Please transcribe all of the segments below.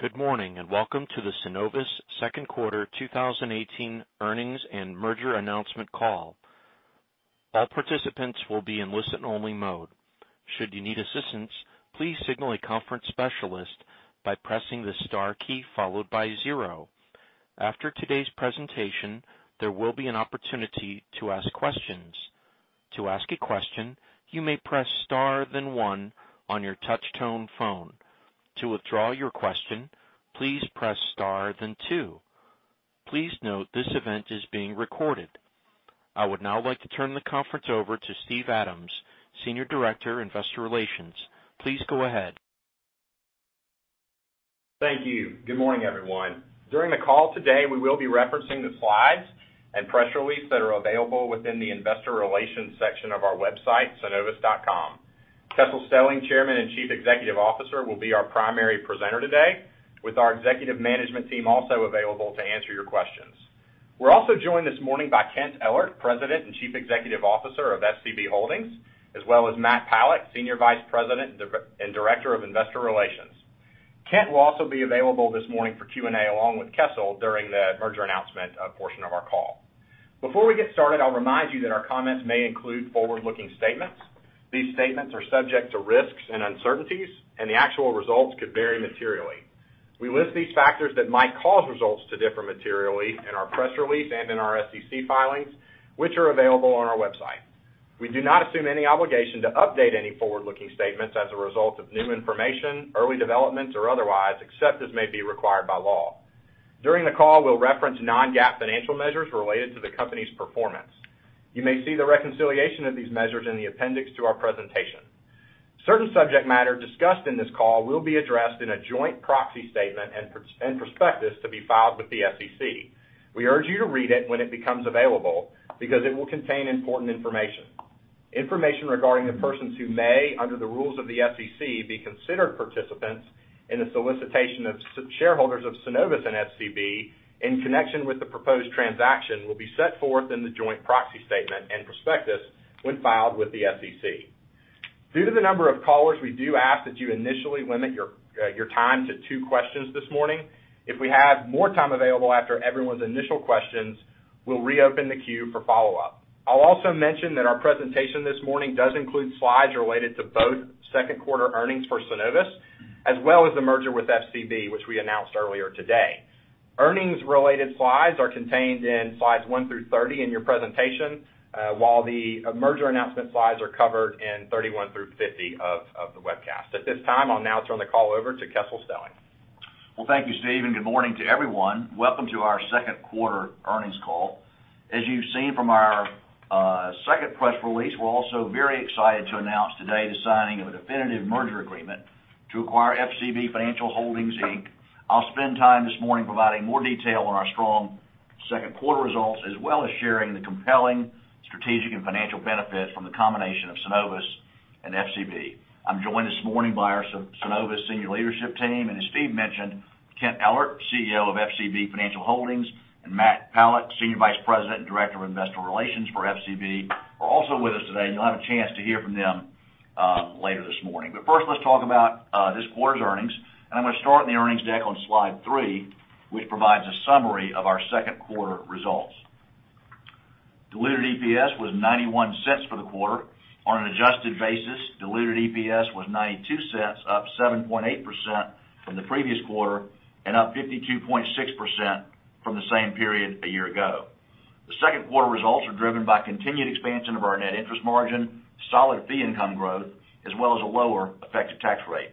Good morning, welcome to the Synovus second quarter 2018 earnings and merger announcement call. All participants will be in listen-only mode. Should you need assistance, please signal a conference specialist by pressing the star key followed by zero. After today's presentation, there will be an opportunity to ask questions. To ask a question, you may press star then one on your touch tone phone. To withdraw your question, please press star then two. Please note this event is being recorded. I would now like to turn the conference over to Steve Adams, Senior Director, Investor Relations. Please go ahead. Thank you. Good morning, everyone. During the call today, we will be referencing the slides and press release that are available within the investor relations section of our website, synovus.com. Kessel Stelling, Chairman and Chief Executive Officer, will be our primary presenter today, with our executive management team also available to answer your questions. We're also joined this morning by Kent Ellert, President and Chief Executive Officer of FCB Holdings, as well as Matt Palat, Senior Vice President and Director of Investor Relations. Kent will also be available this morning for Q&A along with Kessel during the merger announcement portion of our call. Before we get started, I'll remind you that our comments may include forward-looking statements. These statements are subject to risks and uncertainties, and the actual results could vary materially. We list these factors that might cause results to differ materially in our press release and in our SEC filings, which are available on our website. We do not assume any obligation to update any forward-looking statements as a result of new information, early developments, or otherwise, except as may be required by law. During the call, we'll reference non-GAAP financial measures related to the company's performance. You may see the reconciliation of these measures in the appendix to our presentation. Certain subject matter discussed in this call will be addressed in a joint proxy statement and prospectus to be filed with the SEC. We urge you to read it when it becomes available because it will contain important information. Information regarding the persons who may, under the rules of the SEC, be considered participants in the solicitation of shareholders of Synovus and FCB in connection with the proposed transaction will be set forth in the joint proxy statement and prospectus when filed with the SEC. Due to the number of callers, we do ask that you initially limit your time to two questions this morning. If we have more time available after everyone's initial questions, we'll reopen the queue for follow-up. I'll also mention that our presentation this morning does include slides related to both second quarter earnings for Synovus, as well as the merger with FCB, which we announced earlier today. Earnings-related slides are contained in slides one through 30 in your presentation, while the merger announcement slides are covered in 31 through 50 of the webcast. At this time, I'll now turn the call over to Kessel Stelling. Well, thank you, Steve, good morning to everyone. Welcome to our second quarter earnings call. As you've seen from our second press release, we're also very excited to announce today the signing of a definitive merger agreement to acquire FCB Financial Holdings, Inc. I'll spend time this morning providing more detail on our strong second quarter results, as well as sharing the compelling strategic and financial benefits from the combination of Synovus and FCB. I'm joined this morning by our Synovus senior leadership team, and as Steve mentioned, Kent Ellert, CEO of FCB Financial Holdings, and Matt Palat, Senior Vice President and Director of Investor Relations for FCB, are also with us today. You'll have a chance to hear from them later this morning. First, let's talk about this quarter's earnings. I'm going to start in the earnings deck on slide three, which provides a summary of our second quarter results. Diluted EPS was $0.91 for the quarter. On an adjusted basis, diluted EPS was $0.92, up 7.8% from the previous quarter, and up 52.6% from the same period a year ago. The second quarter results are driven by continued expansion of our net interest margin, solid fee income growth, as well as a lower effective tax rate.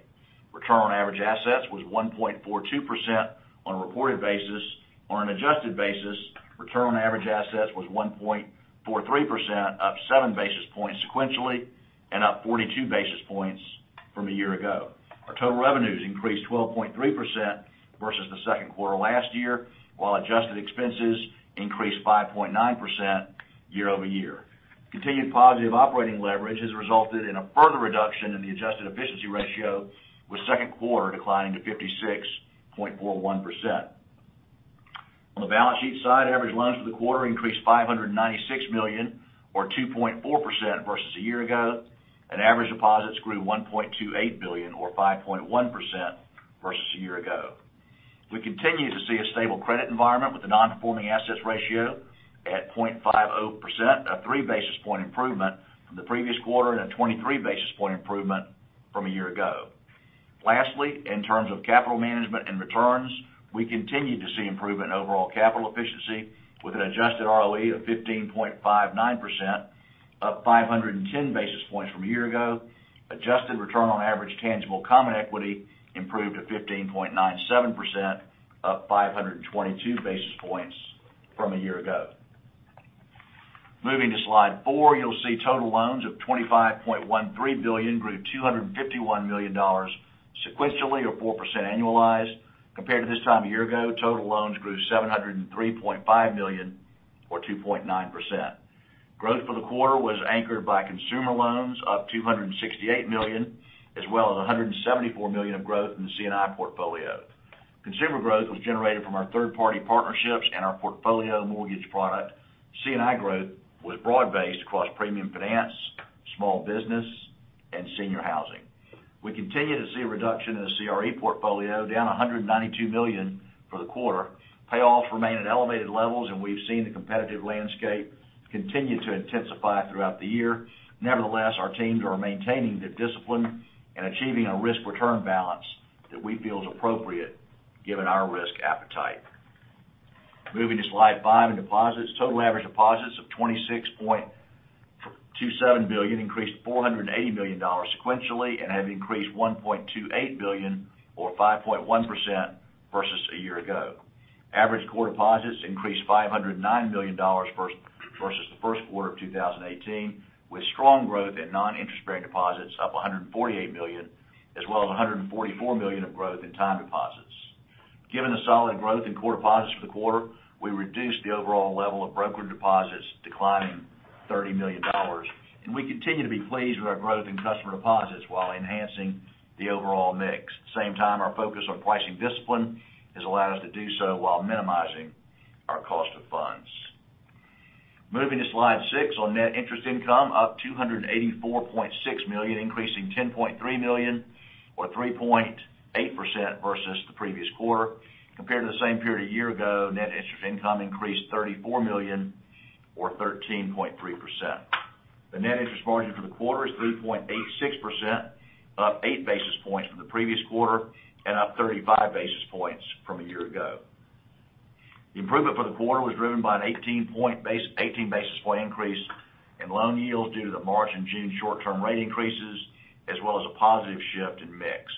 Return on average assets was 1.42% on a reported basis. On an adjusted basis, return on average assets was 1.43%, up seven basis points sequentially and up 42 basis points from a year ago. Our total revenues increased 12.3% versus the second quarter last year, while adjusted expenses increased 5.9% year-over-year. Continued positive operating leverage has resulted in a further reduction in the adjusted efficiency ratio, with second quarter declining to 56.41%. On the balance sheet side, average loans for the quarter increased $596 million or 2.4% versus a year ago, and average deposits grew $1.28 billion or 5.1% versus a year ago. We continue to see a stable credit environment with the non-performing assets ratio at 0.50%, a three basis point improvement from the previous quarter and a 23 basis point improvement from a year ago. Lastly, in terms of capital management and returns, we continue to see improvement in overall capital efficiency with an adjusted ROE of 15.59%, up 510 basis points from a year ago. Adjusted return on average tangible common equity improved to 15.97%, up 522 basis points from a year ago. Moving to slide four, you'll see total loans of $25.13 billion grew $251 million sequentially, or 4% annualized. Compared to this time a year ago, total loans grew $703.5 million, or 2.9%. Growth for the quarter was anchored by consumer loans up $268 million, as well as $174 million of growth in the C&I portfolio. Consumer growth was generated from our third-party partnerships and our portfolio mortgage product. C&I growth was broad-based across premium finance, small business and senior housing. We continue to see a reduction in the CRE portfolio, down $192 million for the quarter. Payoffs remain at elevated levels, and we've seen the competitive landscape continue to intensify throughout the year. Nevertheless, our teams are maintaining their discipline and achieving a risk-return balance that we feel is appropriate given our risk appetite. Moving to slide five in deposits. Total average deposits of $26.27 billion, increased $480 million sequentially and have increased $1.28 billion or 5.1% versus a year ago. Average core deposits increased $509 million versus the first quarter of 2018, with strong growth in non-interest-bearing deposits up $148 million, as well as $144 million of growth in time deposits. Given the solid growth in core deposits for the quarter, we reduced the overall level of broker deposits, declining $30 million. We continue to be pleased with our growth in customer deposits while enhancing the overall mix. Same time, our focus on pricing discipline has allowed us to do so while minimizing our cost of funds. Moving to slide six on net interest income, up $284.6 million, increasing $10.3 million or 3.8% versus the previous quarter. Compared to the same period a year ago, net interest income increased $34 million or 13.3%. The net interest margin for the quarter is 3.86%, up eight basis points from the previous quarter and up 35 basis points from a year ago. The improvement for the quarter was driven by an 18 basis point increase in loan yields due to the March and June short-term rate increases, as well as a positive shift in mix.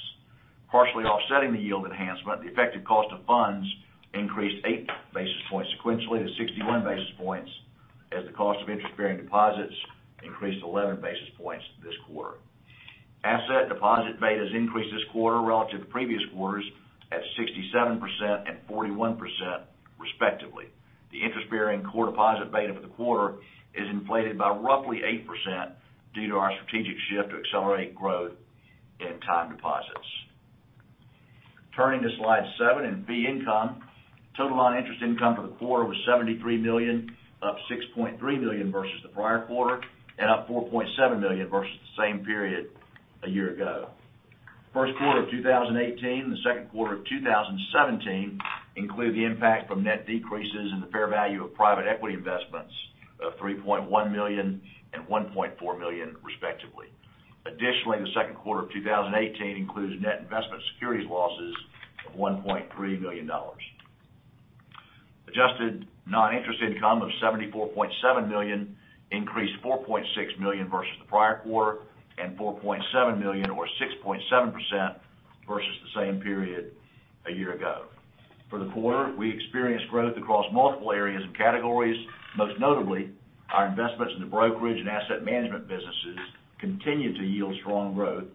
Partially offsetting the yield enhancement, the effective cost of funds increased eight basis points sequentially to 61 basis points as the cost of interest-bearing deposits increased 11 basis points this quarter. Asset deposit betas increased this quarter relative to previous quarters at 67% and 41%, respectively. The interest-bearing core deposit beta for the quarter is inflated by roughly 8% due to our strategic shift to accelerate growth in time deposits. Turning to slide seven in fee income. Total non-interest income for the quarter was $73 million, up $6.3 million versus the prior quarter and up $4.7 million versus the same period a year ago. First quarter of 2018 and the second quarter of 2017 include the impact from net decreases in the fair value of private equity investments of $3.1 million and $1.4 million, respectively. Additionally, the second quarter of 2018 includes net investment securities losses of $1.3 million. Adjusted non-interest income of $74.7 million increased $4.6 million versus the prior quarter and $4.7 million or 6.7% versus the same period a year ago. For the quarter, we experienced growth across multiple areas and categories. Most notably, our investments in the brokerage and asset management businesses continued to yield strong growth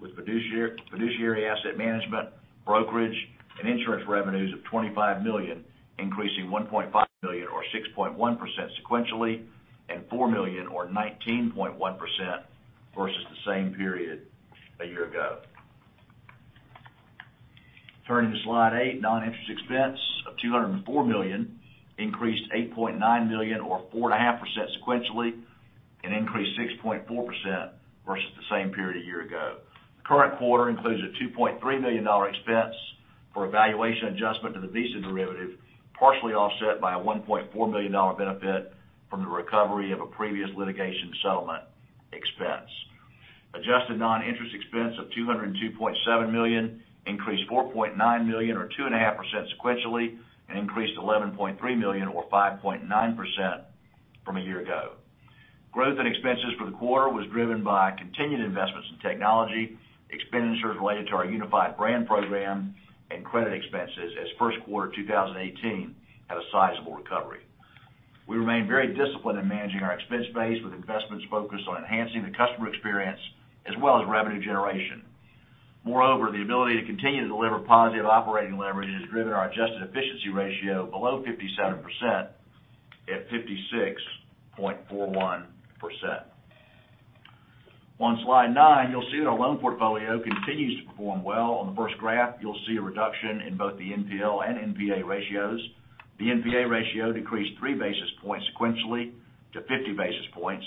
with fiduciary asset management, brokerage, and insurance revenues of $25 million, increasing $1.5 million or 6.1% sequentially and $4 million or 19.1% versus the same period a year ago. Turning to slide eight, non-interest expense of $204 million increased $8.9 million or 4.5% sequentially and increased 6.4% versus the same period a year ago. The current quarter includes a $2.3 million expense for a valuation adjustment to the Visa derivative, partially offset by a $1.4 million benefit from the recovery of a previous litigation settlement expense. Adjusted non-interest expense of $202.7 million increased $4.9 million or 2.5% sequentially and increased $11.3 million or 5.9% from a year ago. Growth in expenses for the quarter was driven by continued investments in technology, expenditures related to our unified brand program, and credit expenses as first quarter 2018 had a sizable recovery. We remain very disciplined in managing our expense base with investments focused on enhancing the customer experience as well as revenue generation. Moreover, the ability to continue to deliver positive operating leverage has driven our adjusted efficiency ratio below 57% at 56.41%. On slide nine, you'll see that our loan portfolio continues to perform well. On the first graph, you'll see a reduction in both the NPL and NPA ratios. The NPA ratio decreased three basis points sequentially to 50 basis points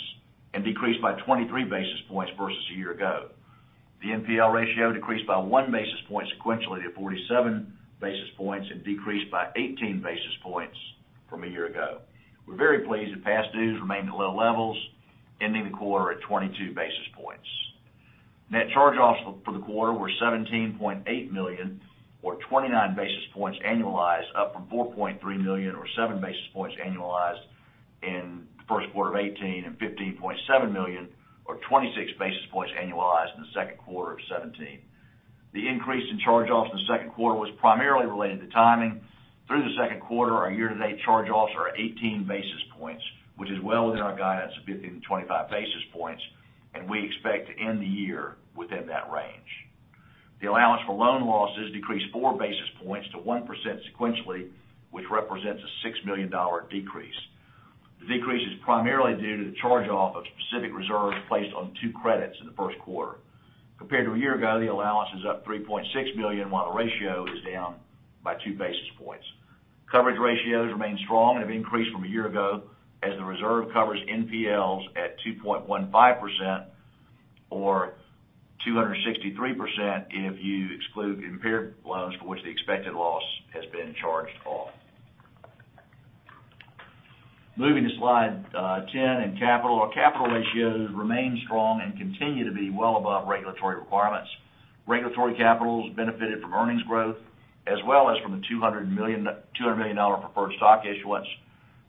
and decreased by 23 basis points versus a year ago. The NPL ratio decreased by one basis point sequentially to 47 basis points and decreased by 18 basis points from a year ago. We're very pleased that past dues remained at low levels, ending the quarter at 22 basis points. Net charge-offs for the quarter were $17.8 million, or 29 basis points annualized, up from $4.3 million or seven basis points annualized in the first quarter of 2018 and $15.7 million or 26 basis points annualized in the second quarter of 2017. The increase in charge-offs in the second quarter was primarily related to timing. Through the second quarter, our year-to-date charge-offs are 18 basis points, which is well within our guidance of 15 to 25 basis points, and we expect to end the year within that range. The allowance for loan losses decreased four basis points to 1% sequentially, which represents a $6 million decrease. The decrease is primarily due to the charge-off of specific reserves placed on two credits in the first quarter. Compared to a year ago, the allowance is up $3.6 million, while the ratio is down by two basis points. Coverage ratios remain strong and have increased from a year ago as the reserve covers NPLs at 2.15% or 263% if you exclude impaired loans for which the expected loss has been charged off. Moving to Slide 10 and capital. Our capital ratios remain strong and continue to be well above regulatory requirements. Regulatory capitals benefited from earnings growth as well as from the $200 million preferred stock issuance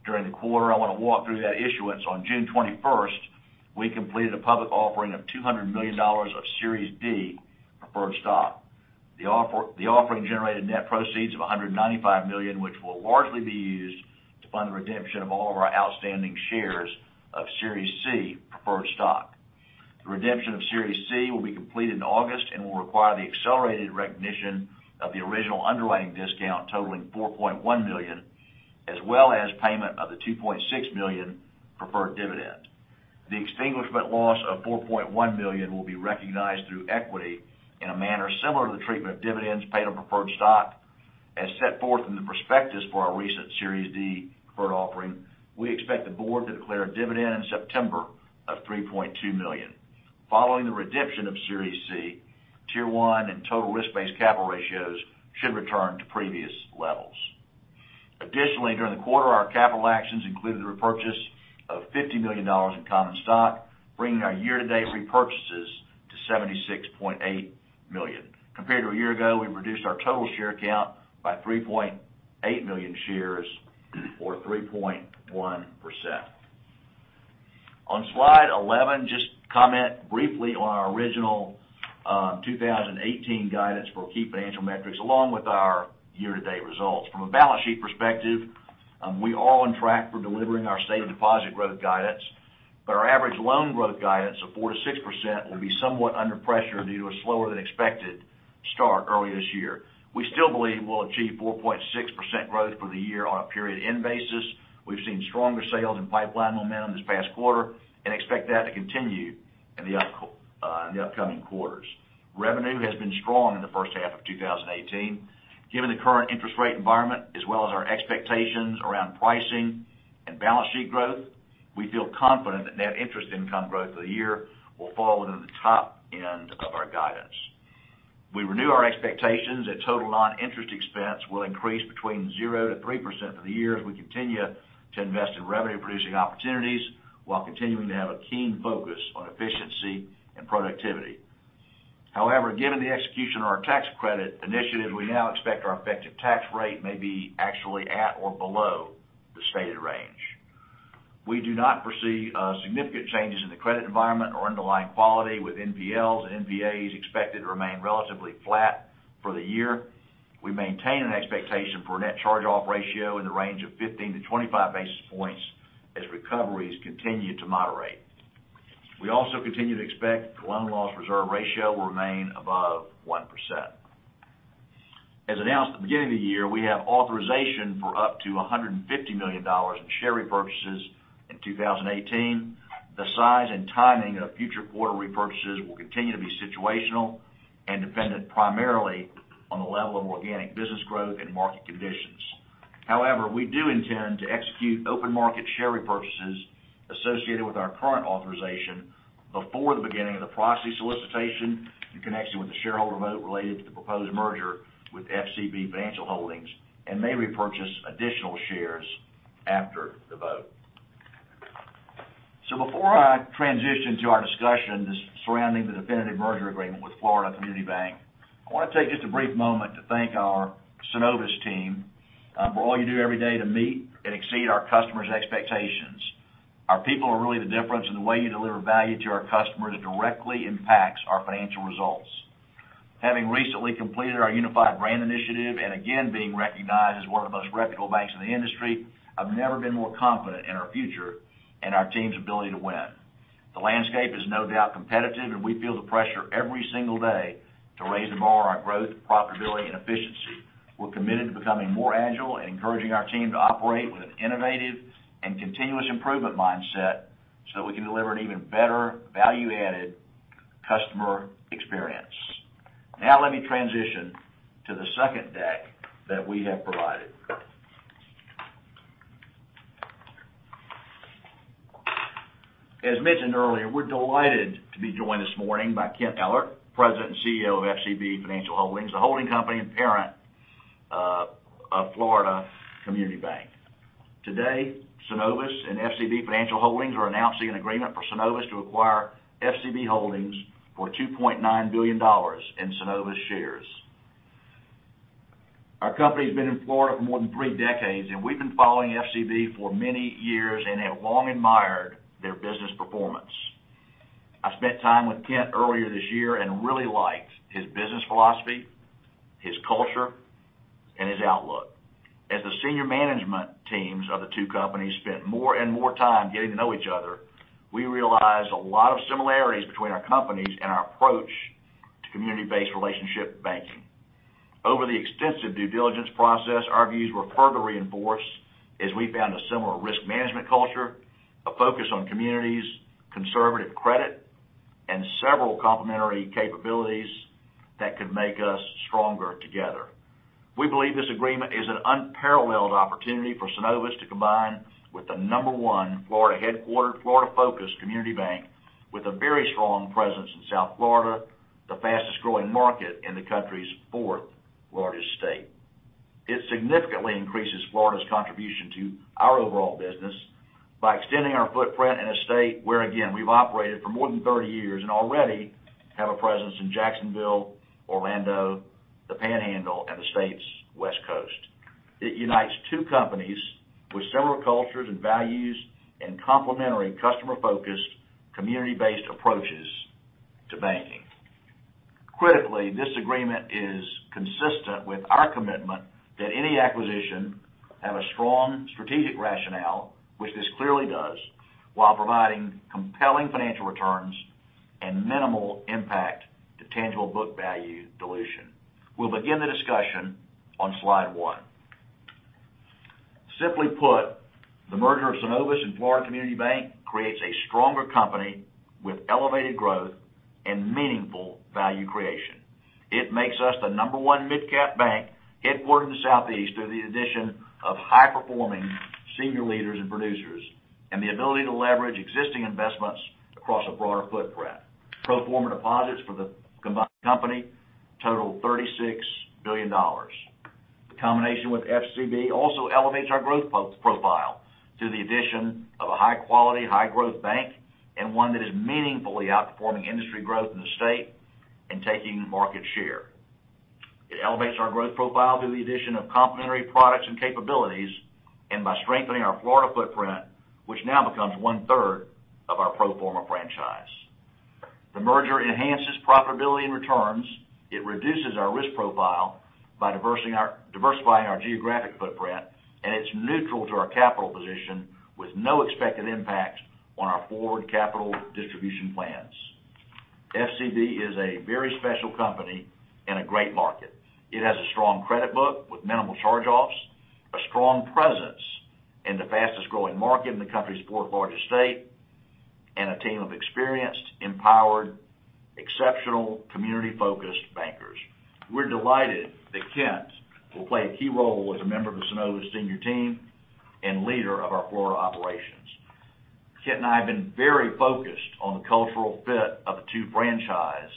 during the quarter. I want to walk through that issuance. On June 21st, we completed a public offering of $200 million of Series D preferred stock. The offering generated net proceeds of $195 million, which will largely be used to fund the redemption of all of our outstanding shares of Series C preferred stock. The redemption of Series C will be completed in August and will require the accelerated recognition of the original underlying discount totaling $4.1 million, as well as payment of the $2.6 million preferred dividend. The extinguishment loss of $4.1 million will be recognized through equity in a manner similar to the treatment of dividends paid on preferred stock. As set forth in the prospectus for our recent Series D preferred offering, we expect the board to declare a dividend in September of $3.2 million. Following the redemption of Series C, Tier 1 and total risk-based capital ratios should return to previous levels. Additionally, during the quarter, our capital actions included the repurchase of $50 million in common stock, bringing our year-to-date repurchases to $76.8 million. Compared to a year ago, we reduced our total share count by 3.8 million shares or 3.1%. On Slide 11, just comment briefly on our original 2018 guidance for key financial metrics, along with our year-to-date results. From a balance sheet perspective, we are on track for delivering our stated deposit growth guidance, but our average loan growth guidance of 4%-6% will be somewhat under pressure due to a slower than expected start earlier this year. We still believe we'll achieve 4.6% growth for the year on a period end basis. We've seen stronger sales and pipeline momentum this past quarter and expect that to continue in the upcoming quarters. Revenue has been strong in the first half of 2018. Given the current interest rate environment as well as our expectations around pricing and balance sheet growth, we feel confident that net interest income growth for the year will fall within the top end of our guidance. We renew our expectations that total non-interest expense will increase between 0%-3% for the year as we continue to invest in revenue-producing opportunities while continuing to have a keen focus on efficiency and productivity. However, given the execution of our tax credit initiatives, we now expect our effective tax rate may be actually at or below the stated range. We do not foresee significant changes in the credit environment or underlying quality with NPLs and NPAs expected to remain relatively flat for the year. We maintain an expectation for a net charge-off ratio in the range of 15 to 25 basis points as recoveries continue to moderate. We also continue to expect the loan loss reserve ratio will remain above 1%. As announced at the beginning of the year, we have authorization for up to $150 million in share repurchases in 2018. The size and timing of future quarter repurchases will continue to be situational and dependent primarily on the level of organic business growth and market conditions. However, we do intend to execute open market share repurchases associated with our current authorization before the beginning of the proxy solicitation in connection with the shareholder vote related to the proposed merger with FCB Financial Holdings and may repurchase additional shares after the vote. Before I transition to our discussion surrounding the definitive merger agreement with Florida Community Bank, I want to take just a brief moment to thank our Synovus team for all you do every day to meet and exceed our customers' expectations. Our people are really the difference in the way you deliver value to our customers that directly impacts our financial results. Having recently completed our unified brand initiative and again being recognized as one of the most reputable banks in the industry, I've never been more confident in our future and our team's ability to win. The landscape is no doubt competitive. We feel the pressure every single day to raise the bar on growth, profitability, and efficiency. We're committed to becoming more agile and encouraging our team to operate with an innovative and continuous improvement mindset so that we can deliver an even better value-added customer experience. Let me transition to the second deck that we have provided. As mentioned earlier, we're delighted to be joined this morning by Kent Ellert, President and CEO of FCB Financial Holdings, the holding company and parent of Florida Community Bank. Today, Synovus and FCB Financial Holdings are announcing an agreement for Synovus to acquire FCB Holdings for $2.9 billion in Synovus shares. Our company's been in Florida for more than three decades. We've been following FCB for many years and have long admired their business performance. I spent time with Kent earlier this year and really liked his business philosophy, his culture, and his outlook. As the senior management teams of the two companies spent more and more time getting to know each other, we realized a lot of similarities between our companies and our approach to community-based relationship banking. Over the extensive due diligence process, our views were further reinforced as we found a similar risk management culture, a focus on communities, conservative credit, and several complementary capabilities that could make us stronger together. We believe this agreement is an unparalleled opportunity for Synovus to combine with the number 1 Florida-headquartered, Florida-focused community bank with a very strong presence in South Florida, the fastest-growing market in the country's fourth-largest state. It significantly increases Florida's contribution to our overall business by extending our footprint in a state where, again, we've operated for more than 30 years and already have a presence in Jacksonville, Orlando, the Panhandle, and the state's West Coast. It unites two companies with similar cultures and values and complementary customer-focused, community-based approaches to banking. Critically, this agreement is consistent with our commitment that any acquisition have a strong strategic rationale, which this clearly does, while providing compelling financial returns and minimal impact to tangible book value dilution. We'll begin the discussion on slide one. Simply put, the merger of Synovus and Florida Community Bank creates a stronger company with elevated growth and meaningful value creation. It makes us the number 1 mid-cap bank headquartered in the Southeast through the addition of high-performing senior leaders and producers, and the ability to leverage existing investments across a broader footprint. Pro forma deposits for the combined company total $36 billion. The combination with FCB also elevates our growth profile through the addition of a high-quality, high-growth bank and one that is meaningfully outperforming industry growth in the state and taking market share. It elevates our growth profile through the addition of complementary products and capabilities and by strengthening our Florida footprint, which now becomes one-third of our pro forma franchise. The merger enhances profitability and returns. It reduces our risk profile by diversifying our geographic footprint. It's neutral to our capital position with no expected impact on our forward capital distribution plans. FCB is a very special company in a great market. It has a strong credit book with minimal charge-offs, a strong presence in the fastest-growing market in the country's fourth-largest state, and a team of experienced, empowered, exceptional community-focused bankers. We're delighted that Kent will play a key role as a member of the Synovus senior team and leader of our Florida operations. Kent and I have been very focused on the cultural fit of the two franchise.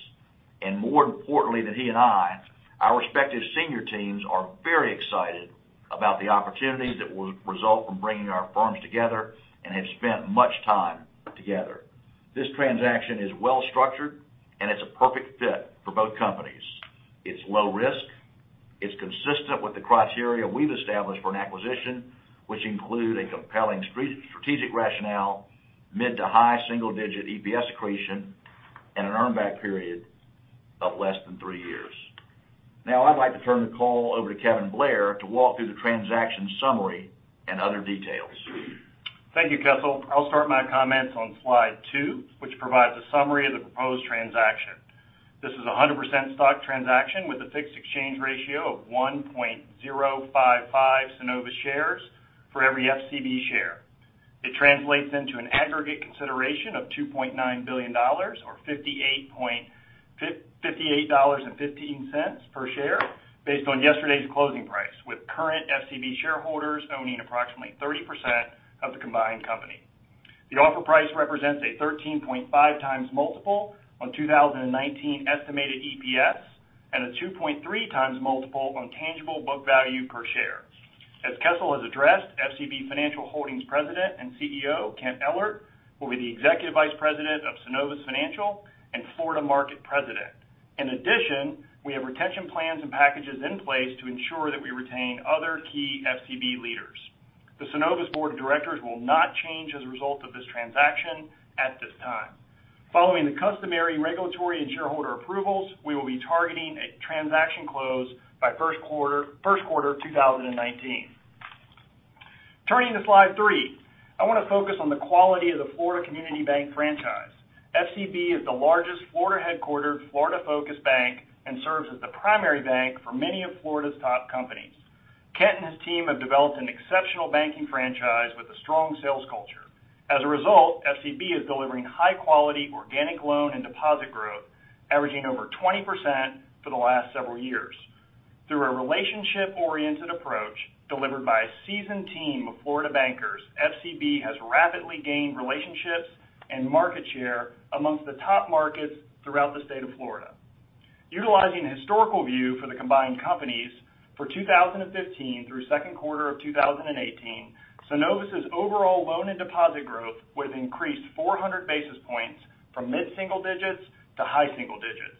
More importantly than he and I, our respective senior teams are very excited about the opportunities that will result from bringing our firms together and have spent much time together. This transaction is well-structured, and it's a perfect fit for both companies. It's low risk. It's consistent with the criteria we've established for an acquisition, which include a compelling strategic rationale, mid to high single-digit EPS accretion, and an earn back period of less than three years. Now I'd like to turn the call over to Kevin Blair to walk through the transaction summary and other details. Thank you, Kessel. I'll start my comments on slide two, which provides a summary of the proposed transaction. This is a 100% stock transaction with a fixed exchange ratio of 1.055 Synovus shares for every FCB share. It translates into an aggregate consideration of $2.9 billion or $58.15 per share based on yesterday's closing price, with current FCB shareholders owning approximately 30% of the combined company. The offer price represents a 13.5 times multiple on 2019 estimated EPS and a 2.3 times multiple on tangible book value per share. As Kessel has addressed, FCB Financial Holdings President and CEO Kent Ellert will be the Executive Vice President of Synovus Financial and Florida Market President. In addition, we have retention plans and packages in place to ensure that we retain other key FCB leaders. The Synovus board of directors will not change as a result of this transaction at this time. Following the customary regulatory and shareholder approvals, we will be targeting a transaction close by first quarter 2019. Turning to slide three, I want to focus on the quality of the Florida Community Bank franchise. FCB is the largest Florida-headquartered, Florida-focused bank and serves as the primary bank for many of Florida's top companies. Kent and his team have developed an exceptional banking franchise with a strong sales culture. As a result, FCB is delivering high-quality organic loan and deposit growth, averaging over 20% for the last several years. Through a relationship-oriented approach delivered by a seasoned team of Florida bankers, FCB has rapidly gained relationships and market share amongst the top markets throughout the State of Florida. Utilizing a historical view for the combined companies for 2015 through second quarter of 2018, Synovus' overall loan and deposit growth would have increased 400 basis points from mid-single digits to high single digits.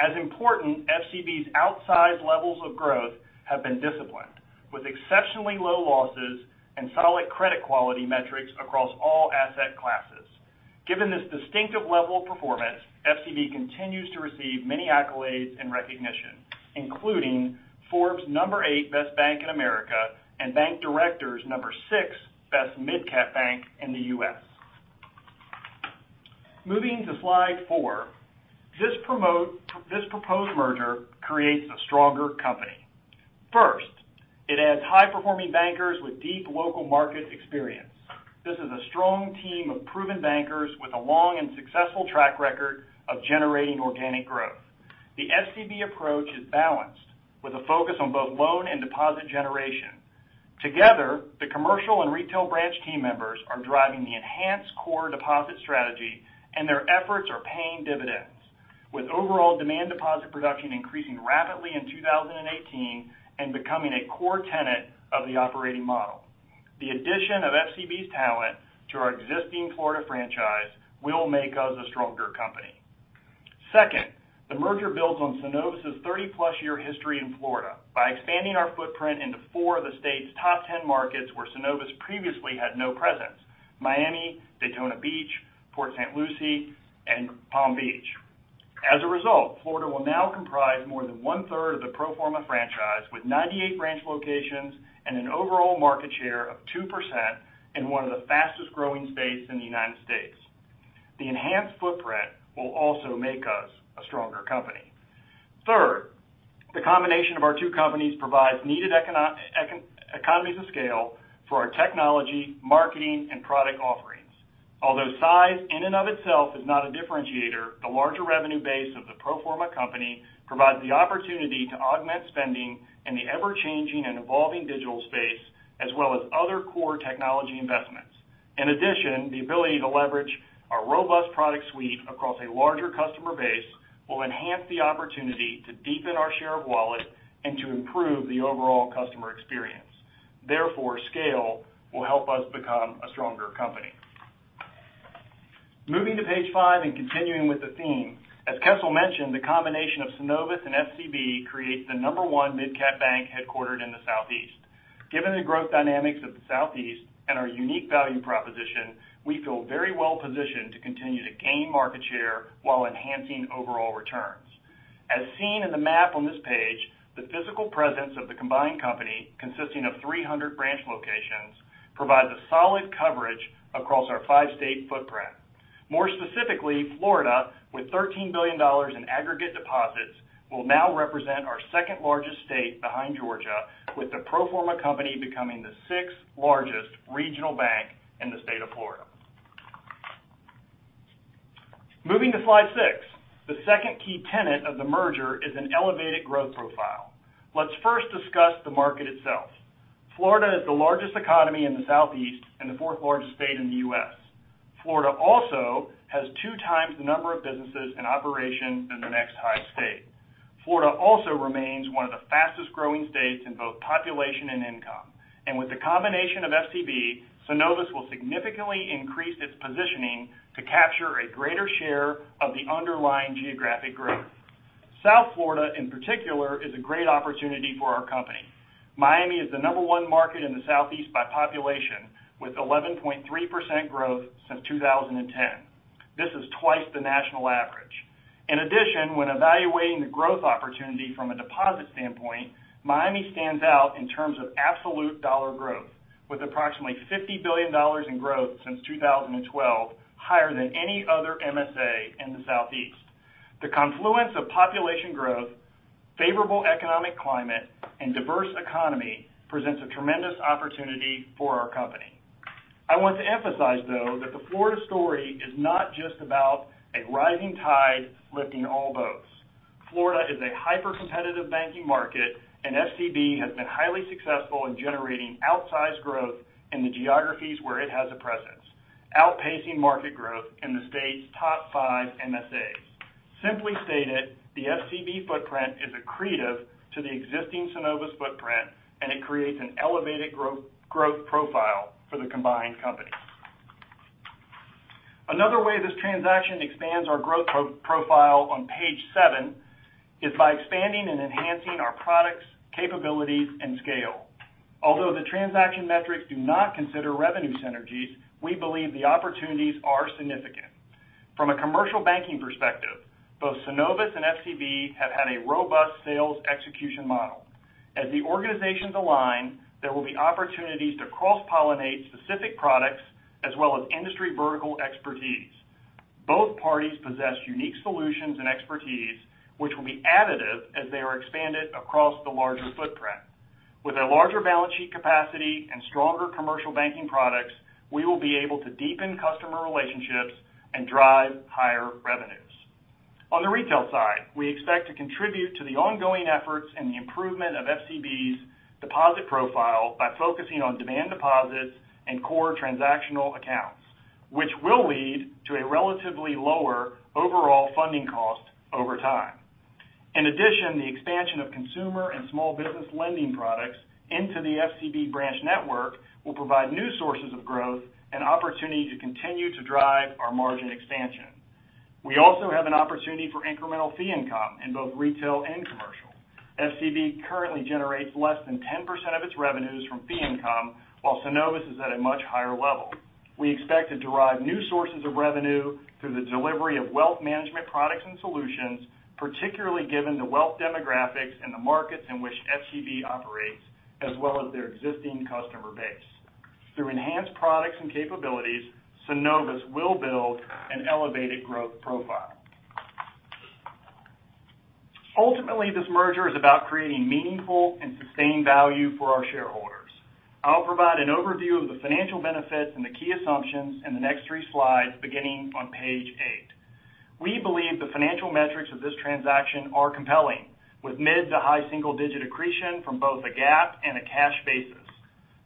As important, FCB's outsized levels of growth have been disciplined, with exceptionally low losses and solid credit quality metrics across all asset classes. Given this distinctive level of performance, FCB continues to receive many accolades and recognition, including Forbes' number eight Best Bank in America and Bank Director's number six Best Mid-Cap Bank in the U.S. Moving to slide four. This proposed merger creates a stronger company. First, it adds high-performing bankers with deep local market experience. This is a strong team of proven bankers with a long and successful track record of generating organic growth. The FCB approach is balanced with a focus on both loan and deposit generation. Together, the commercial and retail branch team members are driving the enhanced core deposit strategy. Their efforts are paying dividends, with overall demand deposit production increasing rapidly in 2018 and becoming a core tenet of the operating model. The addition of FCB's talent to our existing Florida franchise will make us a stronger company. Second, the merger builds on Synovus's 30-plus year history in Florida by expanding our footprint into four of the state's top 10 markets where Synovus previously had no presence: Miami, Daytona Beach, Port St. Lucie, and Palm Beach. As a result, Florida will now comprise more than one-third of the pro forma franchise, with 98 branch locations and an overall market share of 2% in one of the fastest-growing states in the U.S. The enhanced footprint will also make us a stronger company. Third, the combination of our two companies provides needed economies of scale for our technology, marketing, and product offerings. Although size in and of itself is not a differentiator, the larger revenue base of the pro forma company provides the opportunity to augment spending in the ever-changing and evolving digital space, as well as other core technology investments. In addition, the ability to leverage our robust product suite across a larger customer base will enhance the opportunity to deepen our share of wallet and to improve the overall customer experience. Therefore, scale will help us become a stronger company. Moving to page five and continuing with the theme, as Kessel mentioned, the combination of Synovus and FCB creates the number one mid-cap bank headquartered in the Southeast. Given the growth dynamics of the Southeast and our unique value proposition, we feel very well positioned to continue to gain market share while enhancing overall returns. As seen in the map on this page, the physical presence of the combined company, consisting of 300 branch locations, provides a solid coverage across our five-state footprint. More specifically, Florida, with $13 billion in aggregate deposits, will now represent our second-largest state behind Georgia, with the pro forma company becoming the sixth-largest regional bank in the State of Florida. Moving to slide six. The second key tenet of the merger is an elevated growth profile. Let's first discuss the market itself. Florida is the largest economy in the Southeast and the fourth-largest state in the U.S. Florida also has two times the number of businesses and operations than the next highest state. Florida also remains one of the fastest-growing states in both population and income. With the combination of FCB, Synovus will significantly increase its positioning to capture a greater share of the underlying geographic growth. South Florida, in particular, is a great opportunity for our company. Miami is the number one market in the Southeast by population, with 11.3% growth since 2010. This is twice the national average. In addition, when evaluating the growth opportunity from a deposit standpoint, Miami stands out in terms of absolute dollar growth, with approximately $50 billion in growth since 2012, higher than any other MSA in the Southeast. The confluence of population growth, favorable economic climate, and diverse economy presents a tremendous opportunity for our company. I want to emphasize, though, that the Florida story is not just about a rising tide lifting all boats. Florida is a hyper-competitive banking market, and FCB has been highly successful in generating outsized growth in the geographies where it has a presence, outpacing market growth in the state's top five MSAs. Simply stated, the FCB footprint is accretive to the existing Synovus footprint, and it creates an elevated growth profile for the combined company. Another way this transaction expands our growth profile on page seven is by expanding and enhancing our products, capabilities, and scale. Although the transaction metrics do not consider revenue synergies, we believe the opportunities are significant. From a commercial banking perspective, both Synovus and FCB have had a robust sales execution model. As the organizations align, there will be opportunities to cross-pollinate specific products as well as industry vertical expertise. Both parties possess unique solutions and expertise, which will be additive as they are expanded across the larger footprint. With a larger balance sheet capacity and stronger commercial banking products, we will be able to deepen customer relationships and drive higher revenues. On the retail side, we expect to contribute to the ongoing efforts in the improvement of FCB's deposit profile by focusing on demand deposits and core transactional accounts, which will lead to a relatively lower overall funding cost over time. In addition, the expansion of consumer and small business lending products into the FCB branch network will provide new sources of growth and opportunity to continue to drive our margin expansion. We also have an opportunity for incremental fee income in both retail and commercial. FCB currently generates less than 10% of its revenues from fee income, while Synovus is at a much higher level. We expect to derive new sources of revenue through the delivery of wealth management products and solutions, particularly given the wealth demographics in the markets in which FCB operates, as well as their existing customer base. Through enhanced products and capabilities, Synovus will build an elevated growth profile. Ultimately, this merger is about creating meaningful and sustained value for our shareholders. I'll provide an overview of the financial benefits and the key assumptions in the next three slides, beginning on page eight. We believe the financial metrics of this transaction are compelling, with mid-to-high single-digit accretion from both a GAAP and a cash basis.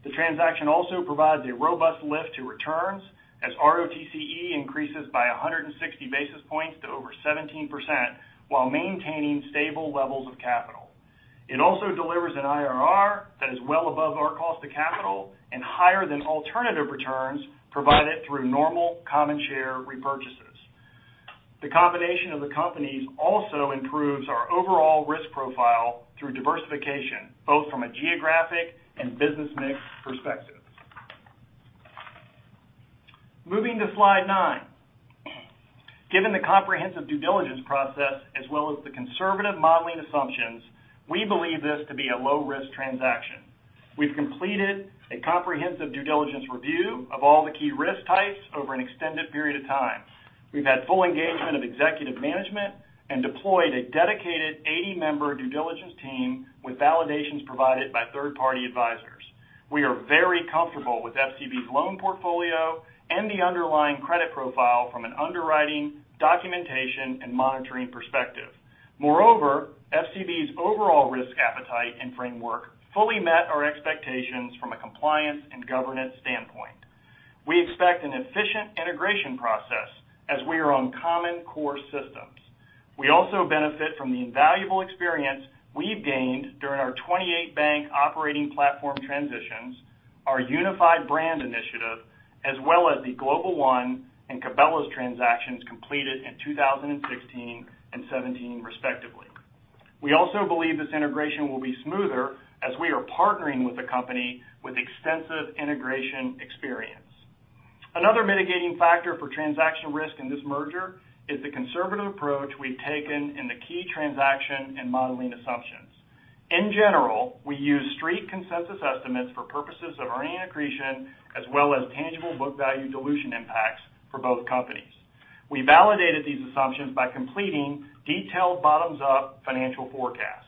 The transaction also provides a robust lift to returns as ROTCE increases by 160 basis points to over 17%, while maintaining stable levels of capital. It also delivers an IRR that is well above our cost of capital and higher than alternative returns provided through normal common share repurchases. The combination of the companies also improves our overall risk profile through diversification, both from a geographic and business mix perspective. Moving to slide nine. Given the comprehensive due diligence process as well as the conservative modeling assumptions, we believe this to be a low-risk transaction. We've completed a comprehensive due diligence review of all the key risk types over an extended period of time. We've had full engagement of executive management and deployed a dedicated 80-member due diligence team with validations provided by third-party advisors. We are very comfortable with FCB's loan portfolio and the underlying credit profile from an underwriting, documentation, and monitoring perspective. Moreover, FCB's overall risk appetite and framework fully met our expectations from a compliance and governance standpoint. We expect an efficient integration process as we are on common core systems. We also benefit from the invaluable experience we've gained during our 28-bank operating platform transitions, our unified brand initiative, as well as the Global One and Cabela's transactions completed in 2016 and 2017, respectively. We also believe this integration will be smoother as we are partnering with a company with extensive integration experience. Another mitigating factor for transaction risk in this merger is the conservative approach we've taken in the key transaction and modeling assumptions. In general, we use street consensus estimates for purposes of earning accretion, as well as tangible book value dilution impacts for both companies. We validated these assumptions by completing detailed bottoms-up financial forecasts.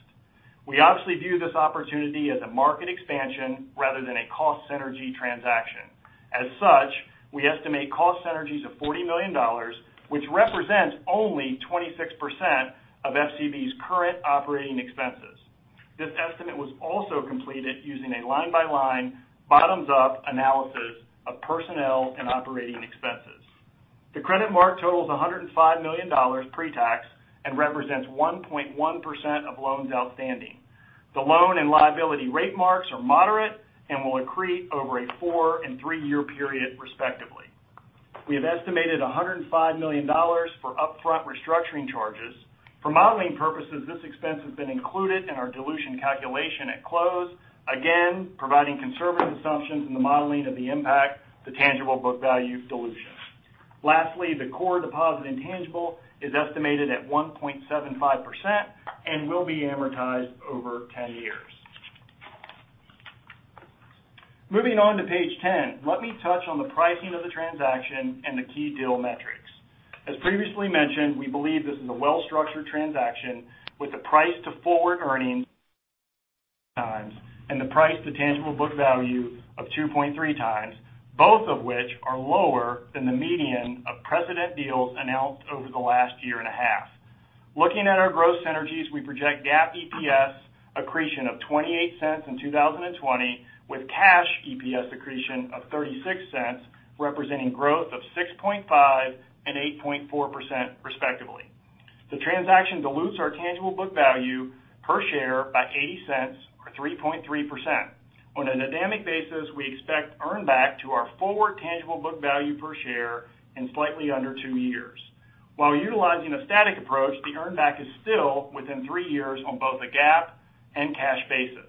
We obviously view this opportunity as a market expansion rather than a cost synergy transaction. As such, we estimate cost synergies of $40 million, which represents only 26% of FCB's current operating expenses. This estimate was also completed using a line-by-line, bottoms-up analysis of personnel and operating expenses. The credit mark totals $105 million pre-tax and represents 1.1% of loans outstanding. The loan and liability rate marks are moderate and will accrete over a four and three-year period, respectively. We have estimated $105 million for upfront restructuring charges. For modeling purposes, this expense has been included in our dilution calculation at close, again, providing conservative assumptions in the modeling of the impact to tangible book value dilution. Lastly, the core deposit intangible is estimated at 1.75% and will be amortized over 10 years. Moving on to page 10, let me touch on the pricing of the transaction and the key deal metrics. As previously mentioned, we believe this is a well-structured transaction with a price to forward earnings times, and the price to tangible book value of 2.3 times, both of which are lower than the median of precedent deals announced over the last year and a half. Looking at our growth synergies, we project GAAP EPS accretion of $0.28 in 2020 with cash EPS accretion of $0.36, representing growth of 6.5% and 8.4%, respectively. The transaction dilutes our tangible book value per share by $0.80 or 3.3%. On a dynamic basis, we expect earn back to our forward tangible book value per share in slightly under two years. While utilizing a static approach, the earn back is still within three years on both a GAAP and cash basis.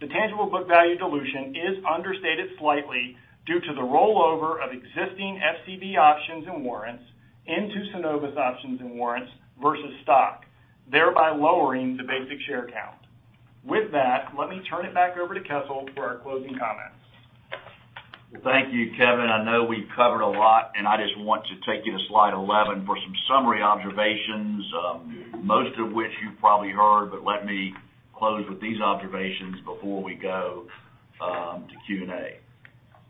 The tangible book value dilution is understated slightly due to the rollover of existing FCB options and warrants into Synovus options and warrants versus stock, thereby lowering the basic share count. With that, let me turn it back over to Kessel for our closing comments. Thank you, Kevin. I know we've covered a lot, I just want to take you to slide 11 for some summary observations, most of which you've probably heard, but let me close with these observations before we go to Q&A.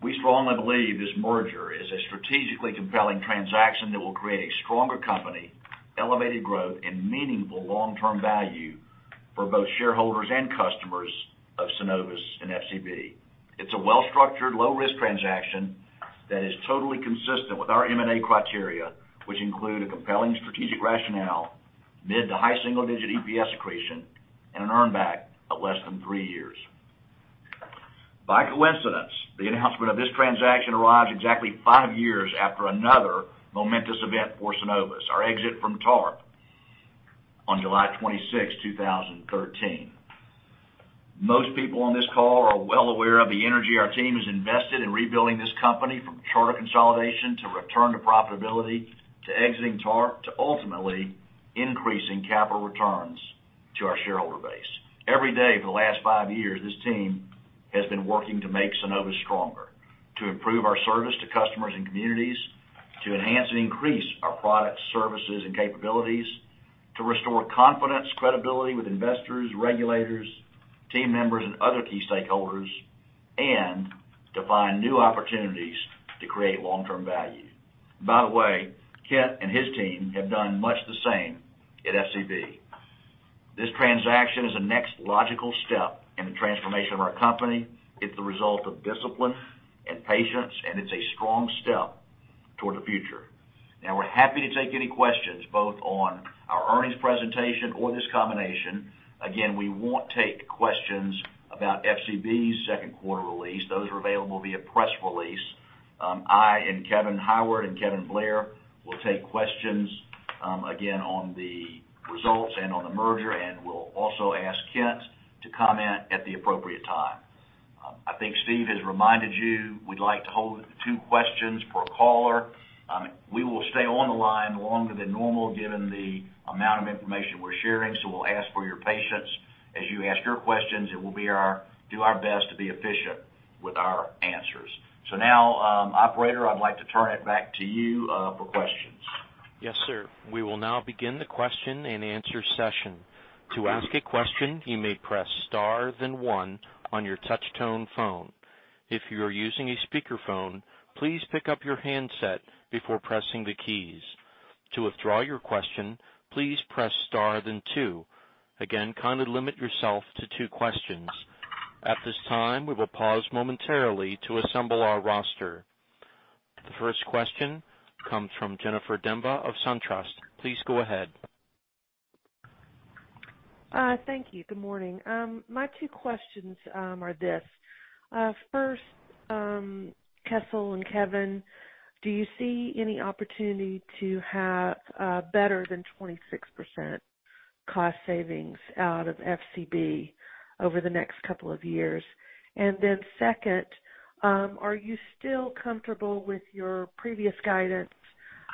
We strongly believe this merger is a strategically compelling transaction that will create a stronger company, elevated growth, and meaningful long-term value for both shareholders and customers of Synovus and FCB. It's a well-structured, low-risk transaction that is totally consistent with our M&A criteria, which include a compelling strategic rationale, mid-to-high single-digit EPS accretion, and an earn back of less than three years. By coincidence, the announcement of this transaction arrives exactly five years after another momentous event for Synovus, our exit from TARP on July 26, 2013. Most people on this call are well aware of the energy our team has invested in rebuilding this company from charter consolidation to return to profitability, to exiting TARP, to ultimately increasing capital returns. To our shareholder base. Every day for the last five years, this team has been working to make Synovus stronger, to improve our service to customers and communities, to enhance and increase our products, services, and capabilities, to restore confidence, credibility with investors, regulators, team members, and other key stakeholders, and to find new opportunities to create long-term value. Kent and his team have done much the same at FCB. This transaction is the next logical step in the transformation of our company. It's the result of discipline and patience, it's a strong step toward the future. We're happy to take any questions, both on our earnings presentation or this combination. We won't take questions about FCB's second quarter release. Those are available via press release. I and Kevin Howard and Kevin Blair will take questions, again, on the results and on the merger, we'll also ask Kent to comment at the appropriate time. I think Steve has reminded you, we'd like to hold it to two questions per caller. We will stay on the line longer than normal given the amount of information we're sharing, we'll ask for your patience as you ask your questions, we'll do our best to be efficient with our answers. Operator, I'd like to turn it back to you for questions. Yes, sir. We will now begin the question and answer session. To ask a question, you may press star then one on your touchtone phone. If you are using a speakerphone, please pick up your handset before pressing the keys. To withdraw your question, please press star then two. Again, kindly limit yourself to two questions. At this time, we will pause momentarily to assemble our roster. The first question comes from Jennifer Demba of SunTrust. Please go ahead. Thank you. Good morning. My two questions are this. First, Kessel and Kevin, do you see any opportunity to have better than 26% cost savings out of FCB over the next couple of years? Second, are you still comfortable with your previous guidance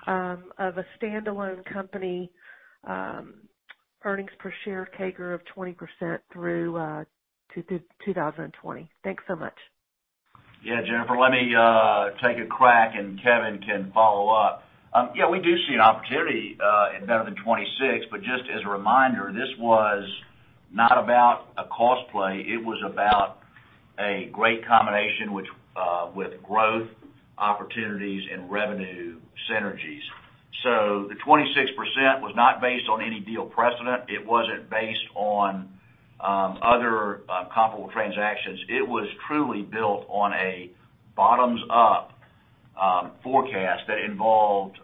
of a standalone company, earnings per share CAGR of 20% through to 2020? Thanks so much. Jennifer, let me take a crack, and Kevin can follow up. We do see an opportunity at better than 26, but just as a reminder, this was not about a cost play. It was about a great combination with growth opportunities and revenue synergies. The 26% was not based on any deal precedent. It wasn't based on other comparable transactions. It was truly built on a bottoms-up forecast that involved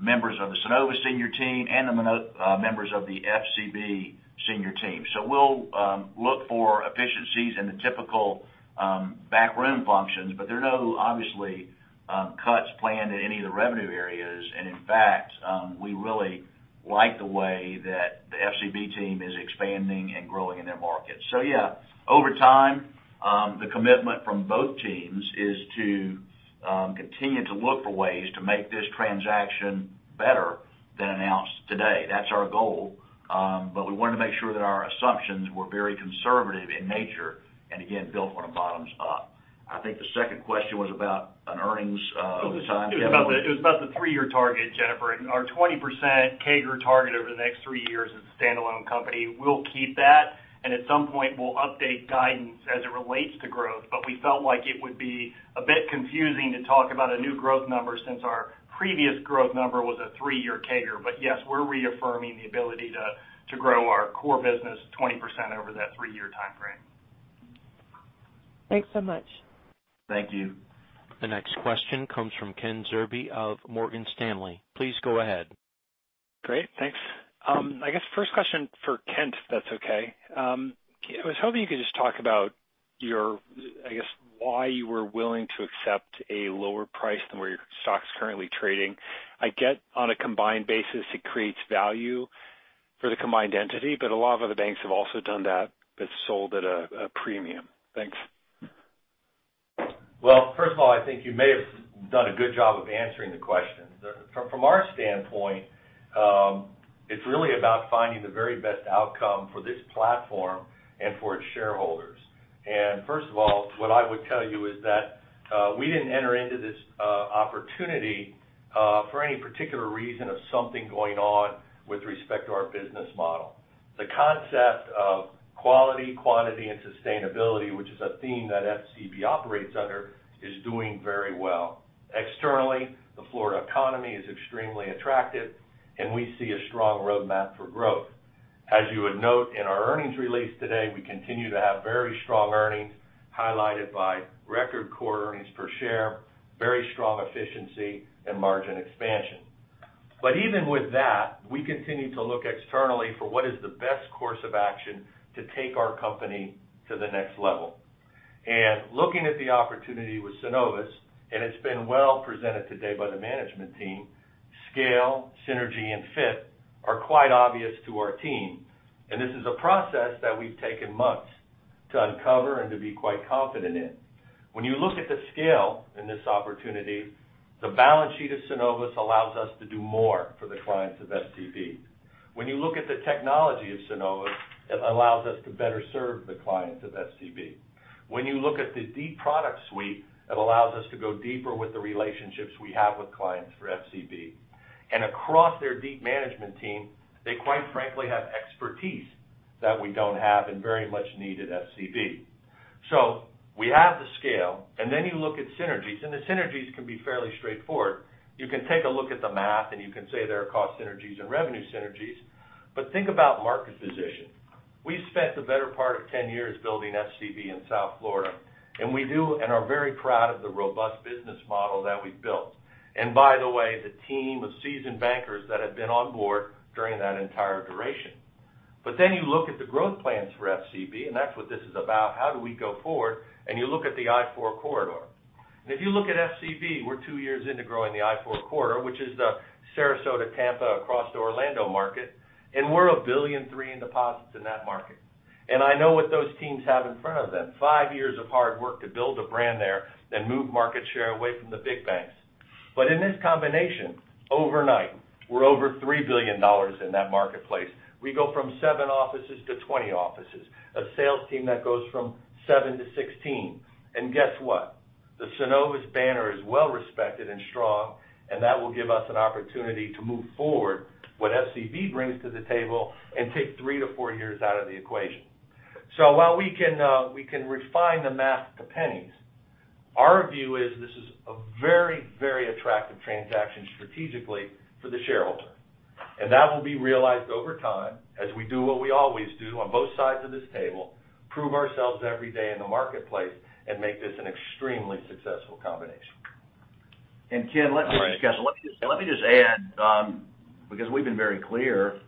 members of the Synovus senior team and the members of the FCB senior team. We'll look for efficiencies in the typical backroom functions, but there are no, obviously, cuts planned in any of the revenue areas. We really like the way that the FCB team is expanding and growing in their market. Over time, the commitment from both teams is to continue to look for ways to make this transaction better than announced today. That's our goal, but we wanted to make sure that our assumptions were very conservative in nature, and again, built from the bottoms up. I think the second question was about an earnings time table. It was about the three-year target, Jennifer. Our 20% CAGR target over the next three years as a standalone company, we'll keep that. At some point, we'll update guidance as it relates to growth. We felt like it would be a bit confusing to talk about a new growth number since our previous growth number was a three-year CAGR. Yes, we're reaffirming the ability to grow our core business 20% over that three-year time frame. Thanks so much. Thank you. The next question comes from Ken Zerbe of Morgan Stanley. Please go ahead. Great. Thanks. I guess first question for Kent, if that's okay. I was hoping you could just talk about why you were willing to accept a lower price than where your stock's currently trading. I get on a combined basis it creates value for the combined entity. A lot of other banks have also done that, but sold at a premium. Thanks. First of all, I think you may have done a good job of answering the question. From our standpoint, it's really about finding the very best outcome for this platform and for its shareholders. First of all, what I would tell you is that we didn't enter into this opportunity for any particular reason of something going on with respect to our business model. The concept of quality, quantity, and sustainability, which is a theme that FCB operates under, is doing very well. Externally, the Florida economy is extremely attractive, and we see a strong roadmap for growth. As you would note in our earnings release today, we continue to have very strong earnings, highlighted by record core earnings per share, very strong efficiency, and margin expansion. Even with that, we continue to look externally for what is the best course of action to take our company to the next level. Looking at the opportunity with Synovus, and it's been well presented today by the management team, scale, synergy, and fit are quite obvious to our team, and this is a process that we've taken months. To uncover and to be quite confident in. When you look at the scale in this opportunity, the balance sheet of Synovus allows us to do more for the clients of FCB. When you look at the technology of Synovus, it allows us to better serve the clients of FCB. When you look at the deep product suite, it allows us to go deeper with the relationships we have with clients through FCB. Across their deep management team, they quite frankly have expertise that we don't have and very much need at FCB. We have the scale, and then you look at synergies, and the synergies can be fairly straightforward. You can take a look at the math and you can say there are cost synergies and revenue synergies. Think about market position. We've spent the better part of 10 years building FCB in South Florida. We do and are very proud of the robust business model that we've built, and by the way, the team of seasoned bankers that have been on board during that entire duration. You look at the growth plans for FCB, and that's what this is about. How do we go forward? You look at the I-4 corridor. If you look at FCB, we're two years into growing the I-4 corridor, which is the Sarasota, Tampa across to Orlando market, and we're $1.3 billion in deposits in that market. I know what those teams have in front of them. Five years of hard work to build a brand there, move market share away from the big banks. In this combination, overnight, we're over $3 billion in that marketplace. We go from seven offices to 20 offices. A sales team that goes from seven to 16. Guess what? The Synovus banner is well-respected and strong, and that will give us an opportunity to move forward what FCB brings to the table and take three to four years out of the equation. While we can refine the math to pennies, our view is this is a very attractive transaction strategically for the shareholder. That will be realized over time as we do what we always do on both sides of this table, prove ourselves every day in the marketplace and make this an extremely successful combination. Ken, let me just- All right let me just add, because we've been very clear,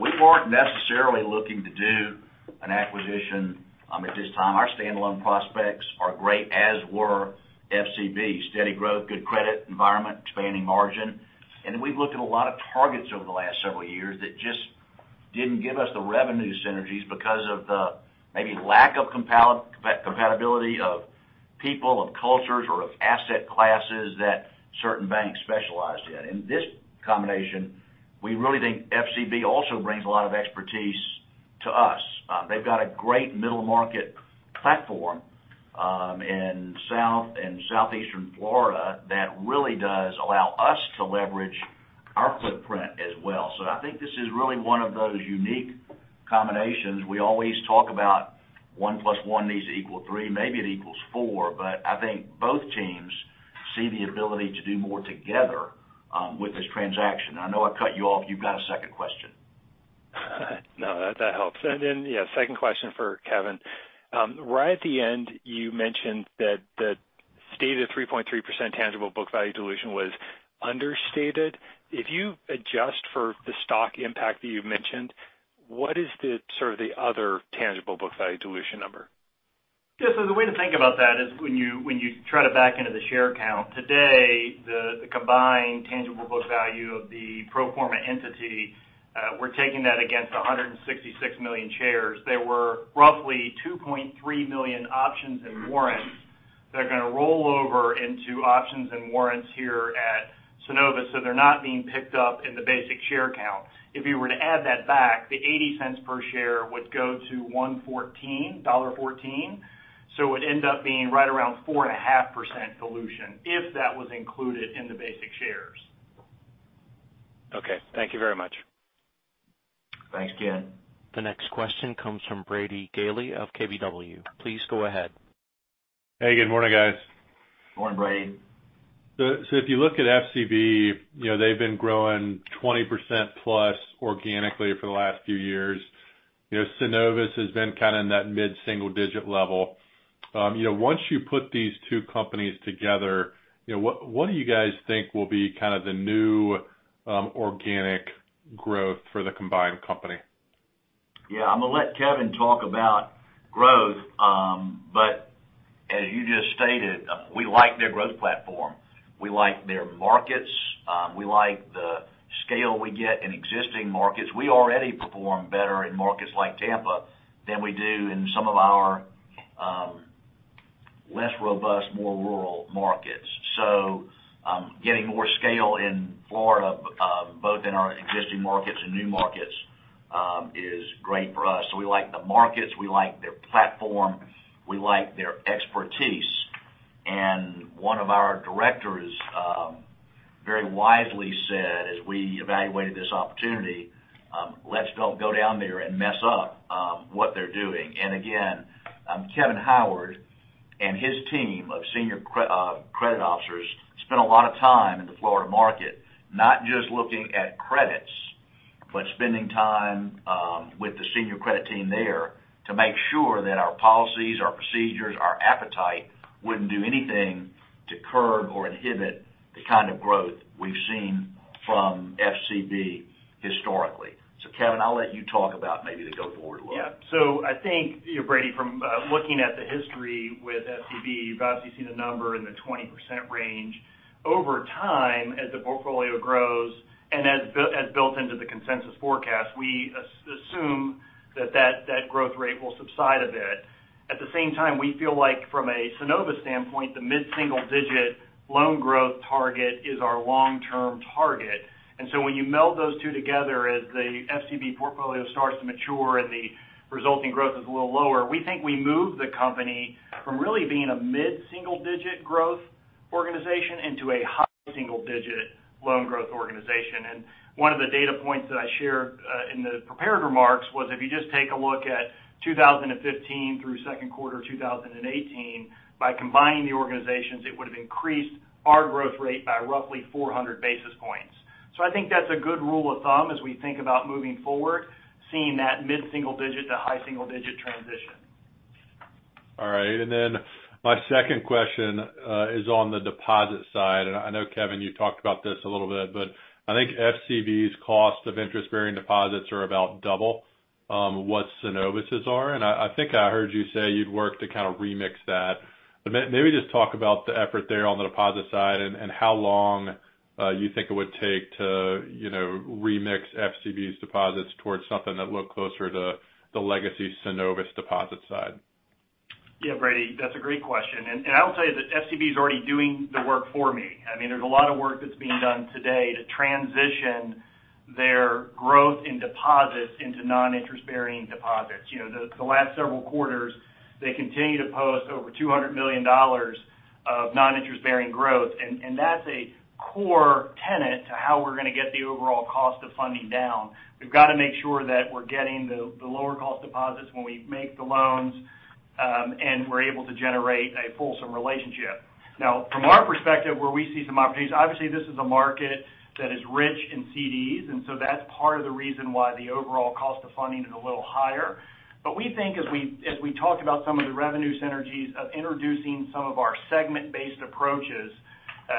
we weren't necessarily looking to do an acquisition, at this time. Our standalone prospects are great, as were FCB. Steady growth, good credit environment, expanding margin. We've looked at a lot of targets over the last several years that just didn't give us the revenue synergies because of the maybe lack of compatibility of people, of cultures, or of asset classes that certain banks specialized in. In this combination, we really think FCB also brings a lot of expertise to us. They've got a great middle market platform in South and Southeastern Florida that really does allow us to leverage our footprint as well. I think this is really one of those unique combinations. We always talk about one plus one needs to equal three. Maybe it equals four, I think both teams see the ability to do more together with this transaction. I know I cut you off. You've got a second question. No, that helps. Yeah, second question for Kevin. Right at the end, you mentioned that the stated 3.3% tangible book value dilution was understated. If you adjust for the stock impact that you mentioned, what is the other tangible book value dilution number? Yeah. The way to think about that is when you try to back into the share count today, the combined tangible book value of the pro forma entity, we're taking that against 166 million shares. There were roughly 2.3 million options and warrants that are going to roll over into options and warrants here at Synovus, they're not being picked up in the basic share count. If you were to add that back, the $0.80 per share would go to $1.14. It would end up being right around 4.5% dilution if that was included in the basic shares. Okay. Thank you very much. Thanks, Ken. The next question comes from Brady Gailey of KBW. Please go ahead. Hey, good morning, guys. Morning, Brady. If you look at FCB, they've been growing 20% plus organically for the last few years. Synovus has been kind of in that mid-single digit level. Once you put these two companies together, what do you guys think will be kind of the new organic growth for the combined company? Yeah. I'm going to let Kevin talk about growth. As you just stated, we like their growth platform. We like their markets. We like the scale we get in existing markets. We already perform better in markets like Tampa than we do in some of our less robust, more rural markets. Getting more scale in Florida, both in our existing markets and new markets, is great for us. We like the markets, we like their platform, we like their expertise. One of our directors very wisely said as we evaluated this opportunity, "Let's don't go down there and mess up what they're doing." Again, Kevin Howard and his team of senior credit officers spent a lot of time in the Florida market, not just looking at credits, but spending time with the senior credit team there to make sure that our policies, our procedures, our appetite wouldn't do anything to curb or inhibit the kind of growth we've seen from FCB historically. Kevin, I'll let you talk about maybe the go-forward look. Yeah. I think, Brady, from looking at the history with FCB, you've obviously seen the number in the 20% range. Over time, as the portfolio grows and as built into the consensus forecast, we assume that that growth rate will subside a bit. At the same time, we feel like from a Synovus standpoint, the mid-single-digit loan growth target is our long-term target. When you meld those two together, as the FCB portfolio starts to mature and the resulting growth is a little lower, we think we move the company from really being a mid-single-digit growth organization into a high single-digit loan growth organization. One of the data points that I shared in the prepared remarks was if you just take a look at 2015 through second quarter 2018, by combining the organizations, it would've increased our growth rate by roughly 400 basis points. I think that's a good rule of thumb as we think about moving forward, seeing that mid-single digit to high single-digit transition. All right. My second question is on the deposit side. I know, Kevin, you talked about this a little bit, I think FCB's cost of interest-bearing deposits are about double what Synovus' are. I think I heard you say you'd work to kind of remix that. Maybe just talk about the effort there on the deposit side and how long you think it would take to remix FCB's deposits towards something that look closer to the legacy Synovus deposit side. Yeah, Brady, that's a great question. I will tell you that FCB's already doing the work for me. There's a lot of work that's being done today to transition their growth in deposits into non-interest-bearing deposits. The last several quarters, they continue to post over $200 million of non-interest-bearing growth, that's a core tenet to how we're going to get the overall cost of funding down. We've got to make sure that we're getting the lower cost deposits when we make the loans, and we're able to generate a fulsome relationship. Now, from our perspective, where we see some opportunities, obviously this is a market that is rich in CDs, that's part of the reason why the overall cost of funding is a little higher. We think as we talk about some of the revenue synergies of introducing some of our segment-based approaches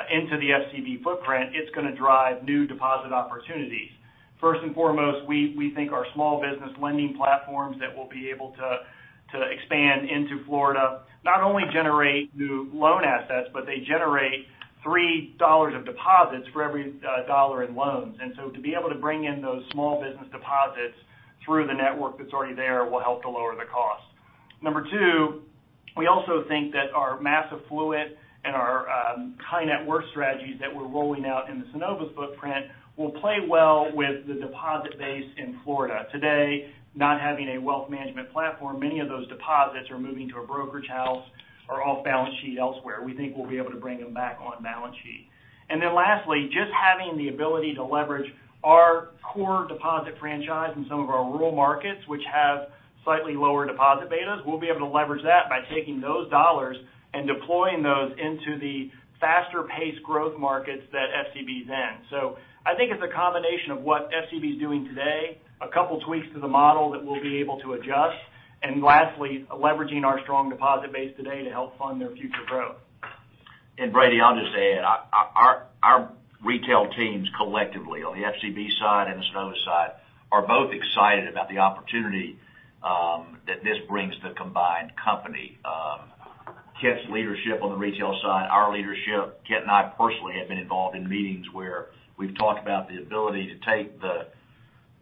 into the FCB footprint, it's going to drive new deposit opportunities. First and foremost, we think our small business lending platforms that we'll be able to expand into Florida not only generate new loan assets, but they generate $3 of deposits for every dollar in loans. To be able to bring in those small business deposits through the network that's already there will help to lower the cost. Number 2, we also think that our mass affluent and our high net worth strategies that we're rolling out in the Synovus footprint will play well with the deposit base in Florida. Today, not having a wealth management platform, many of those deposits are moving to a brokerage house or off balance sheet elsewhere. We think we'll be able to bring them back on balance sheet. Lastly, just having the ability to leverage our core deposit franchise in some of our rural markets, which have slightly lower deposit betas, we'll be able to leverage that by taking those dollars and deploying those into the faster paced growth markets that FCB's in. I think it's a combination of what FCB's doing today, a couple tweaks to the model that we'll be able to adjust, and lastly, leveraging our strong deposit base today to help fund their future growth. Brady, I'll just add, our retail teams collectively on the FCB side and the Synovus side are both excited about the opportunity that this brings the combined company. Kent's leadership on the retail side, our leadership, Kent and I personally have been involved in meetings where we've talked about the ability to take the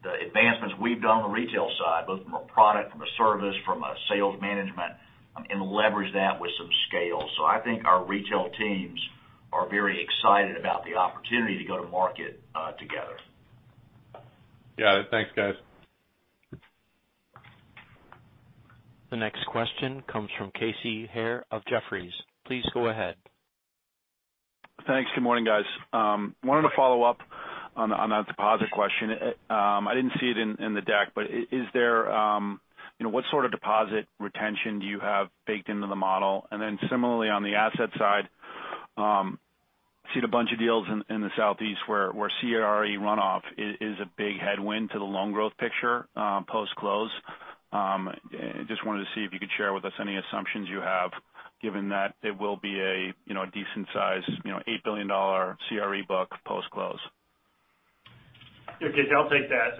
advancements we've done on the retail side, both from a product, from a service, from a sales management, and leverage that with some scale. I think our retail teams are very excited about the opportunity to go to market together. Got it. Thanks, guys. The next question comes from Casey Haire of Jefferies. Please go ahead. Thanks. Good morning, guys. Wanted to follow up on that deposit question. I didn't see it in the deck. What sort of deposit retention do you have baked into the model? Similarly on the asset side, seen a bunch of deals in the Southeast where CRE runoff is a big headwind to the loan growth picture post-close. Just wanted to see if you could share with us any assumptions you have given that it will be a decent size, $8 billion CRE book post-close. Yeah, Casey, I'll take that.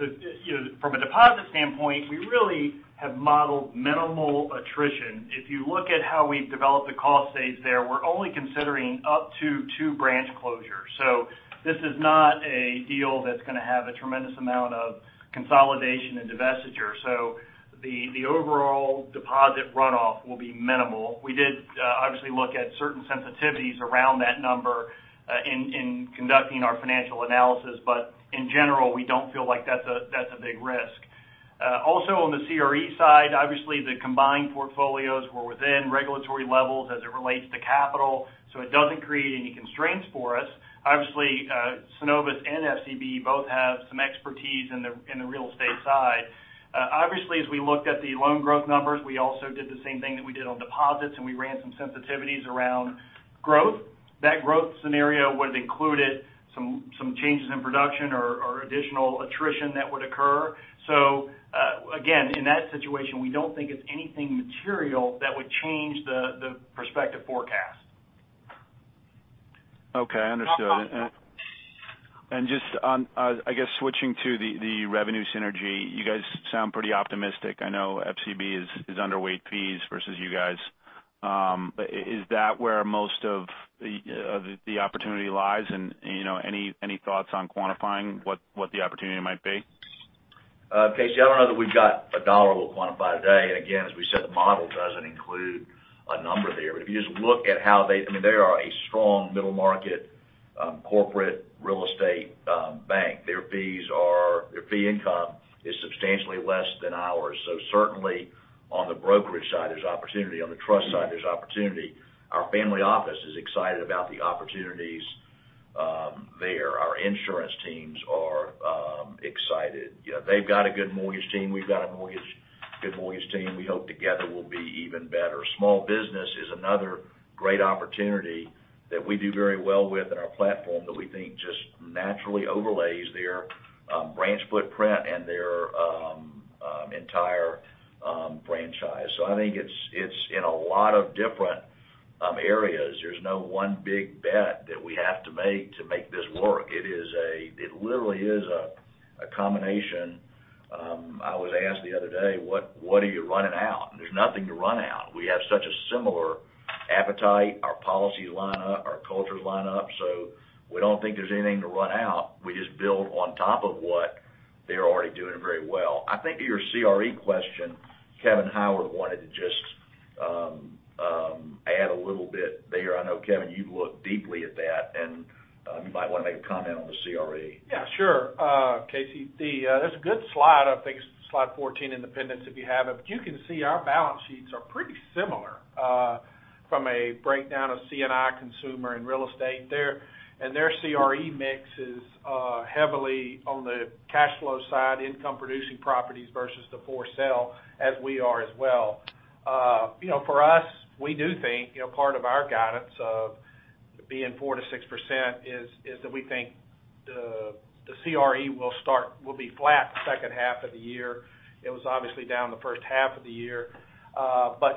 From a deposit standpoint, we really have modeled minimal attrition. If you look at how we've developed the cost saves there, we're only considering up to two branch closures. This is not a deal that's going to have a tremendous amount of consolidation and divestiture. The overall deposit runoff will be minimal. We did obviously look at certain sensitivities around that number in conducting our financial analysis. In general, we don't feel like that's a big risk. Also on the CRE side, obviously the combined portfolios were within regulatory levels as it relates to capital. It doesn't create any constraints for us. Obviously, Synovus and FCB both have some expertise in the real estate side. Obviously, as we looked at the loan growth numbers, we also did the same thing that we did on deposits. We ran some sensitivities around growth. That growth scenario would've included some changes in production or additional attrition that would occur. Again, in that situation, we don't think it's anything material that would change the prospective forecast. Okay, understood. Just on, I guess, switching to the revenue synergy, you guys sound pretty optimistic. I know FCB is underweight fees versus you guys. Is that where most of the opportunity lies and any thoughts on quantifying what the opportunity might be? Casey, I don't know that we've got a dollar we'll quantify today. Again, as we said, the model doesn't include a number there. If you just look at how they are a strong middle-market corporate real estate bank. Their fee income is substantially less than ours. Certainly on the brokerage side, there's opportunity. On the trust side, there's opportunity. Our family office is excited about the opportunities there. Our insurance teams are excited. They've got a good mortgage team. We've got a good mortgage team. We hope together we'll be even better. Small business is another great opportunity that we do very well with in our platform that we think just naturally overlays their branch footprint and their entire franchise. I think it's in a lot of different areas. There's no one big bet that we have to make to make this work. It literally is a combination. I was asked the other day, what are you running out? There's nothing to run out. We have such a similar appetite. Our policies line up, our cultures line up, we don't think there's anything to run out. We just build on top of what they're already doing very well. I think to your CRE question, Kevin Howard wanted to just add a little bit there. I know, Kevin, you've looked deeply at that, and you might want to make a comment on the CRE. Yeah, sure. Casey, there's a good slide, I think it's slide 14, Independence, if you have it. You can see our balance sheets are pretty similar from a breakdown of C&I consumer and real estate there. Their CRE mix is heavily on the cash flow side, income producing properties versus the for sale, as we are as well. For us, we do think part of our guidance of being 4%-6% is that we think the CRE will be flat the second half of the year. It was obviously down the first half of the year.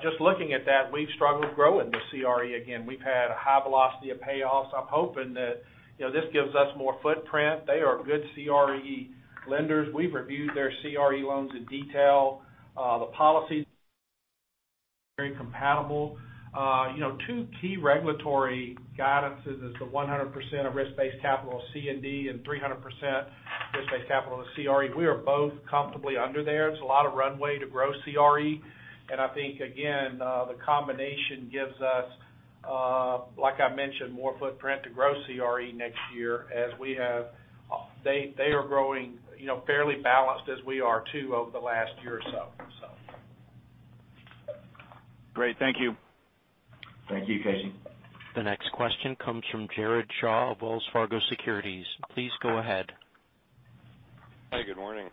Just looking at that, we've struggled growing the CRE again. We've had a high velocity of payoffs. I'm hoping that this gives us more footprint. They are good CRE lenders. We've reviewed their CRE loans in detail. The policy very compatible. Two key regulatory guidances is the 100% of risk-based capital C and D and 300% risk-based capital of CRE. We are both comfortably under there. There's a lot of runway to grow CRE. I think, again, the combination gives us, like I mentioned, more footprint to grow CRE next year as they are growing fairly balanced as we are too over the last year or so. Great. Thank you. Thank you, Casey. The next question comes from Jared Shaw of Wells Fargo Securities. Please go ahead. Hi, good morning.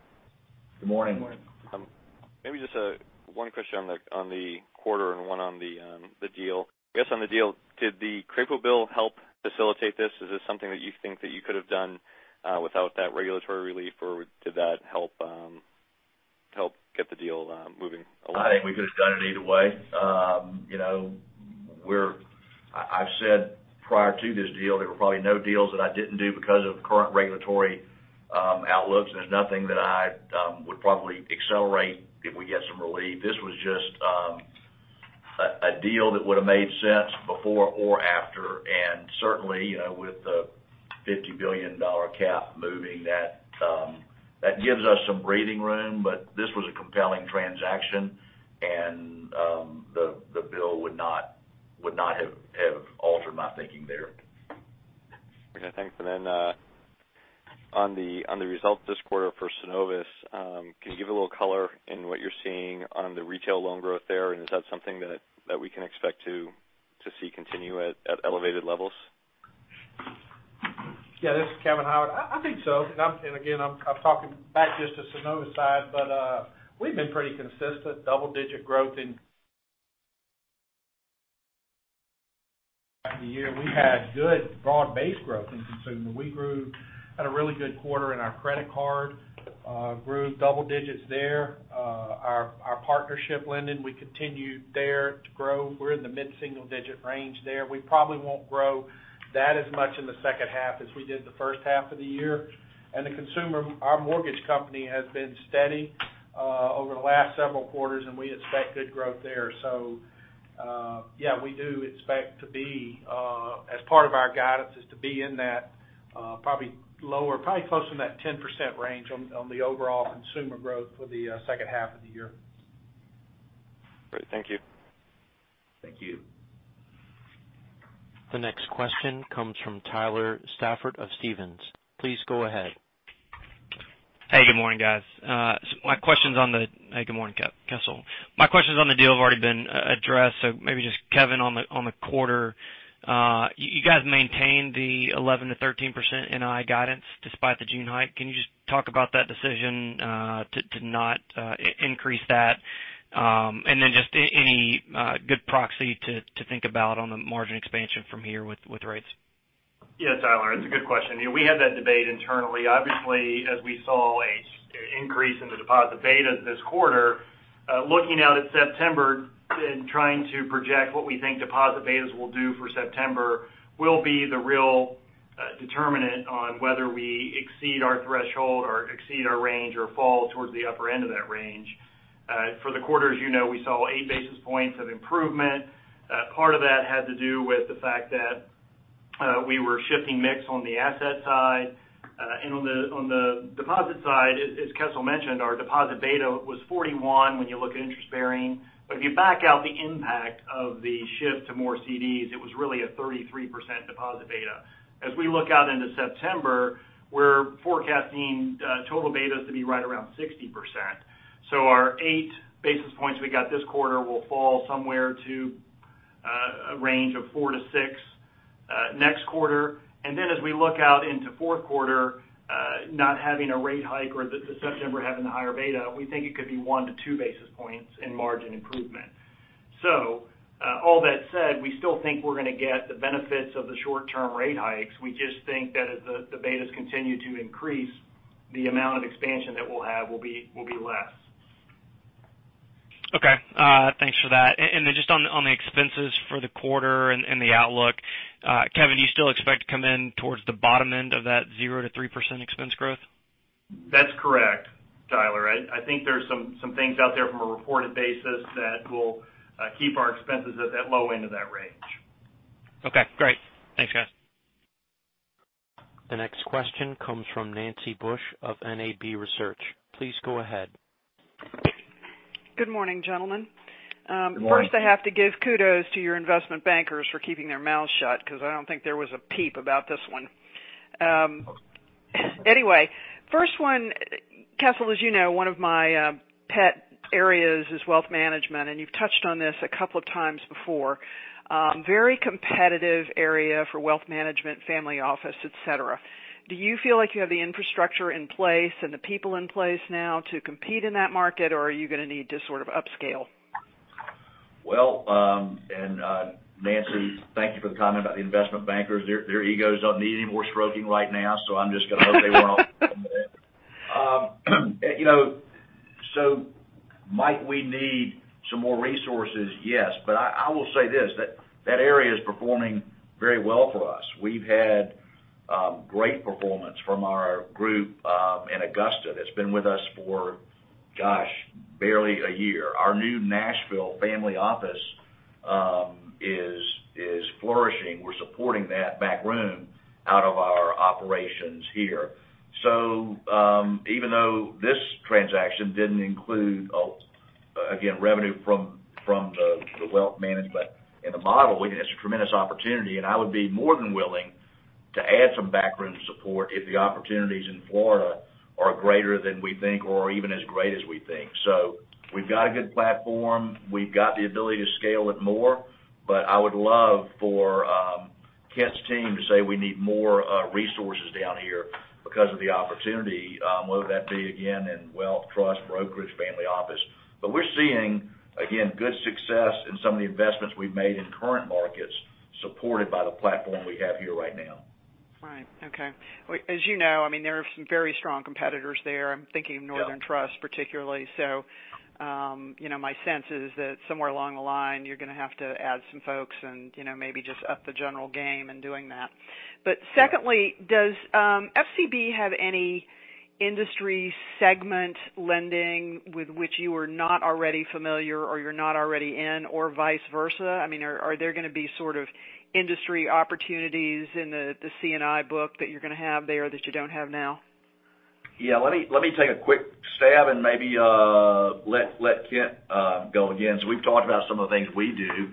Good morning. Good morning. Maybe just one question on the quarter and one on the deal. I guess on the deal, did the Crapo bill help facilitate this? Is this something that you think that you could have done without that regulatory relief, or did that help get the deal moving along? I think we could have done it either way. I've said prior to this deal, there were probably no deals that I didn't do because of current regulatory outlooks, and there's nothing that I would probably accelerate if we get some relief. This was just a deal that would have made sense before or after, and certainly, with the $50 billion cap moving, that gives us some breathing room. This was a compelling transaction, and the bill would not have altered my thinking there. Okay, thanks. On the results this quarter for Synovus, can you give a little color in what you're seeing on the retail loan growth there? Is that something that we can expect to see continue at elevated levels? This is Kevin Howard. I think so. Again, I'm talking back just to Synovus side, we've been pretty consistent double-digit growth in the year. We had good broad-based growth in consumer. We had a really good quarter in our credit card, grew double digits there. Our partnership lending, we continued there to grow. We're in the mid-single digit range there. We probably won't grow that as much in the second half as we did the first half of the year. The consumer, our mortgage company has been steady over the last several quarters, and we expect good growth there. We do expect to be, as part of our guidance, is to be in that probably lower, probably closer to that 10% range on the overall consumer growth for the second half of the year. Great. Thank you. Thank you. The next question comes from Tyler Stafford of Stephens. Please go ahead. Hey, good morning, guys. Good morning. Hey, good morning, Kessel. My questions on the deal have already been addressed, maybe just Kevin on the quarter. You guys maintained the 11%-13% NII guidance despite the June hike. Can you just talk about that decision to not increase that? Just any good proxy to think about on the margin expansion from here with rates? Yeah, Tyler, it's a good question. We had that debate internally. Obviously, as we saw an increase in the deposit betas this quarter, looking out at September and trying to project what we think deposit betas will do for September will be the real determinant on whether we exceed our threshold or exceed our range or fall towards the upper end of that range. For the quarter, as you know, we saw eight basis points of improvement. Part of that had to do with the fact that We were shifting mix on the asset side. On the deposit side, as Kessel mentioned, our deposit beta was 41 when you look at interest-bearing. If you back out the impact of the shift to more CDs, it was really a 33% deposit beta. As we look out into September, we're forecasting total betas to be right around 60%. Our eight basis points we got this quarter will fall somewhere to a range of four to six next quarter. As we look out into fourth quarter, not having a rate hike or the September having the higher beta, we think it could be one to two basis points in margin improvement. All that said, we still think we're going to get the benefits of the short-term rate hikes. We just think that as the betas continue to increase, the amount of expansion that we'll have will be less. Okay. Thanks for that. Just on the expenses for the quarter and the outlook, Kevin, do you still expect to come in towards the bottom end of that 0-3% expense growth? That's correct, Tyler. I think there's some things out there from a reported basis that will keep our expenses at that low end of that range. Okay, great. Thanks, guys. The next question comes from Nancy Bush of NAB Research. Please go ahead. Good morning, gentlemen. Good morning. First, I have to give kudos to your investment bankers for keeping their mouths shut because I don't think there was a peep about this one. First one, Kessel, as you know, one of my pet areas is wealth management, and you've touched on this a couple of times before. Very competitive area for wealth management, family office, et cetera. Do you feel like you have the infrastructure in place and the people in place now to compete in that market? Or are you going to need to sort of upscale? Nancy, thank you for the comment about the investment bankers. Their egos don't need any more stroking right now, so I'm just going to leave it at that. Might we need some more resources? Yes. I will say this, that area is performing very well for us. We've had great performance from our group in Augusta that's been with us for, gosh, barely a year. Our new Nashville family office is flourishing. We're supporting that back room out of our operations here. Even though this transaction didn't include, again, revenue from the wealth management in the model, we think that's a tremendous opportunity, and I would be more than willing to add some back room support if the opportunities in Florida are greater than we think or even as great as we think. We've got a good platform. We've got the ability to scale it more. I would love for Kent's team to say we need more resources down here because of the opportunity, whether that be, again, in wealth, trust, brokerage, family office. We're seeing, again, good success in some of the investments we've made in current markets, supported by the platform we have here right now. Right. Okay. As you know, there are some very strong competitors there. Yeah Northern Trust particularly. My sense is that somewhere along the line, you're going to have to add some folks and maybe just up the general game in doing that. Secondly, does FCB have any industry segment lending with which you are not already familiar or you're not already in, or vice versa? I mean, are there going to be sort of industry opportunities in the C&I book that you're going to have there that you don't have now? Let me take a quick stab and maybe let Kent go again. We've talked about some of the things we do.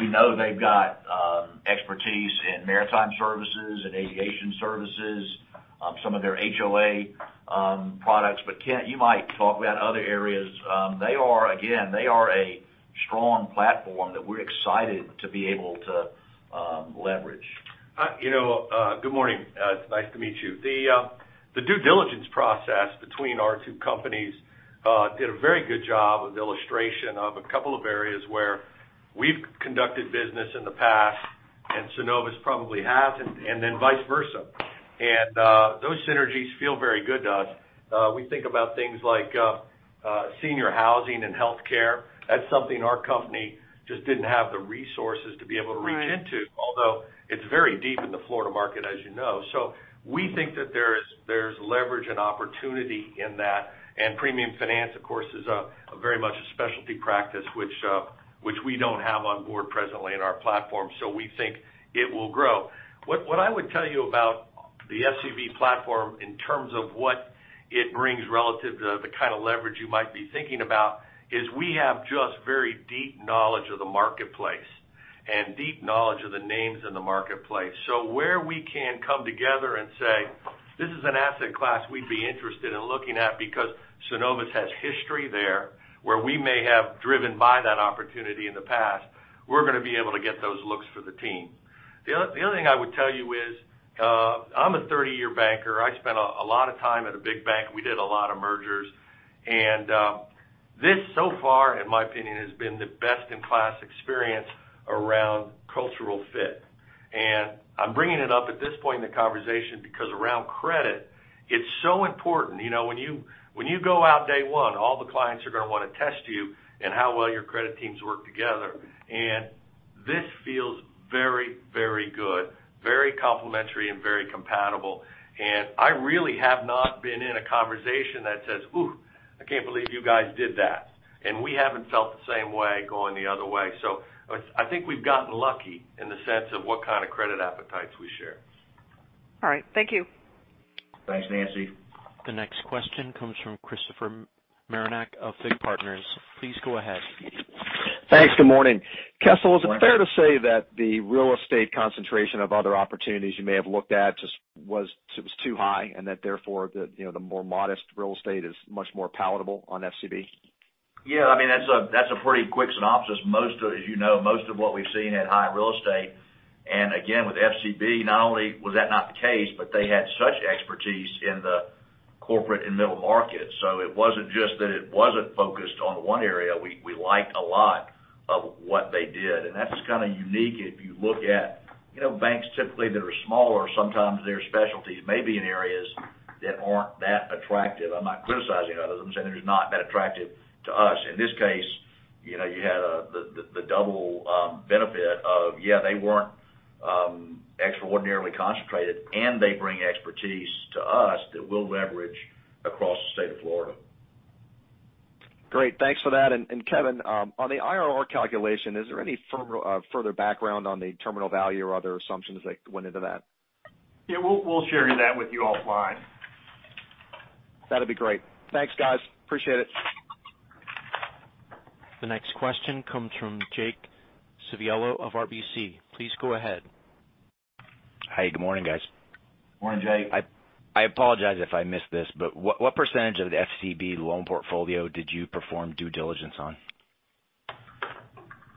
We know they've got expertise in maritime services and aviation services, some of their HOA products. Kent, you might talk about other areas. They are a strong platform that we're excited to be able to leverage. Good morning. It's nice to meet you. The due diligence process between our two companies did a very good job of illustration of a couple of areas where we've conducted business in the past and Synovus probably hasn't, and then vice versa. Those synergies feel very good to us. We think about things like senior housing and healthcare. That's something our company just didn't have the resources to be able to reach into, although it's very deep in the Florida market, as you know. We think that there's leverage and opportunity in that. Premium finance, of course, is very much a specialty practice, which we don't have on board presently in our platform. We think it will grow. What I would tell you about the FCB platform in terms of what it brings relative to the kind of leverage you might be thinking about is we have just very deep knowledge of the marketplace and deep knowledge of the names in the marketplace. Where we can come together and say, "This is an asset class we'd be interested in looking at because Synovus has history there," where we may have driven by that opportunity in the past, we're going to be able to get those looks for the team. The other thing I would tell you is I'm a 30-year banker. I spent a lot of time at a big bank. We did a lot of mergers. This so far, in my opinion, has been the best-in-class experience around cultural fit. I'm bringing it up at this point in the conversation because around credit, it's so important. When you go out day one, all the clients are going to want to test you and how well your credit teams work together. This feels very good, very complementary, and very compatible. I really have not been in a conversation that says, "Ooh- I can't believe you guys did that." We haven't felt the same way going the other way. I think we've gotten lucky in the sense of what kind of credit appetites we share. All right. Thank you. Thanks, Nancy. The next question comes from Christopher Marinac of FIG Partners. Please go ahead. Thanks. Good morning. Good morning. Kessel, is it fair to say that the real estate concentration of other opportunities you may have looked at just was too high and that therefore, the more modest real estate is much more palatable on FCB? Yeah, that's a pretty quick synopsis. As you know, most of what we've seen had high real estate. Again, with FCB, not only was that not the case, but they had such expertise in the corporate and middle market. It wasn't just that it wasn't focused on one area. We liked a lot of what they did. That's kind of unique if you look at banks typically that are smaller, sometimes their specialties may be in areas that aren't that attractive. I'm not criticizing others. I'm saying they're just not that attractive to us. In this case, you had the double benefit of, yeah, they weren't extraordinarily concentrated, and they bring expertise to us that we'll leverage across the state of Florida. Great. Thanks for that. Kevin, on the IRR calculation, is there any further background on the terminal value or other assumptions that went into that? Yeah, we'll share that with you offline. That'd be great. Thanks, guys. Appreciate it. The next question comes from Jake Civiello of RBC. Please go ahead. Hi, good morning, guys. Morning, Jake. I apologize if I missed this, what % of the FCB loan portfolio did you perform due diligence on?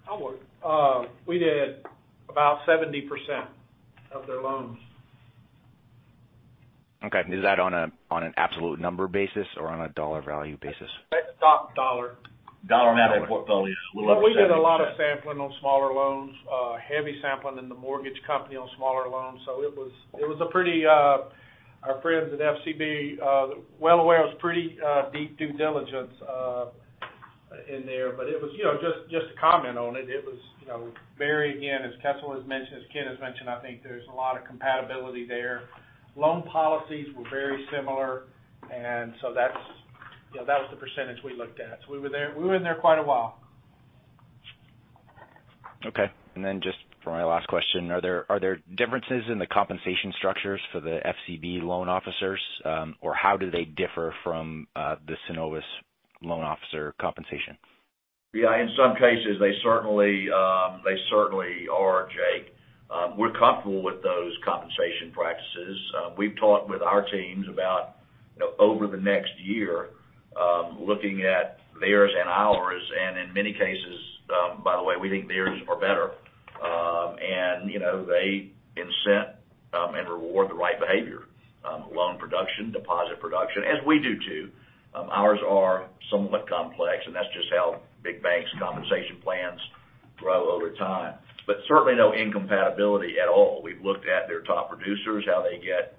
I'll go. We did about 70% of their loans. Okay. Is that on an absolute number basis or on a dollar value basis? That's top dollar. Dollar amount of portfolio, a little over 70%. We did a lot of sampling on smaller loans, heavy sampling in the mortgage company on smaller loans. Our friends at FCB, well aware it was pretty deep due diligence in there. Just to comment on it, very again, as Kessel has mentioned, as Kent has mentioned, I think there's a lot of compatibility there. Loan policies were very similar, that was the percentage we looked at. We were in there quite a while. Okay. Just for my last question, are there differences in the compensation structures for the FCB loan officers? How do they differ from the Synovus loan officer compensation? Yeah, in some cases, they certainly are, Jake. We're comfortable with those compensation practices. We've talked with our teams about over the next year, looking at theirs and ours, and in many cases, by the way, we think theirs are better. They incent and reward the right behavior, loan production, deposit production, as we do, too. Ours are somewhat complex, and that's just how big banks' compensation plans grow over time. Certainly no incompatibility at all. We've looked at their top producers, how they get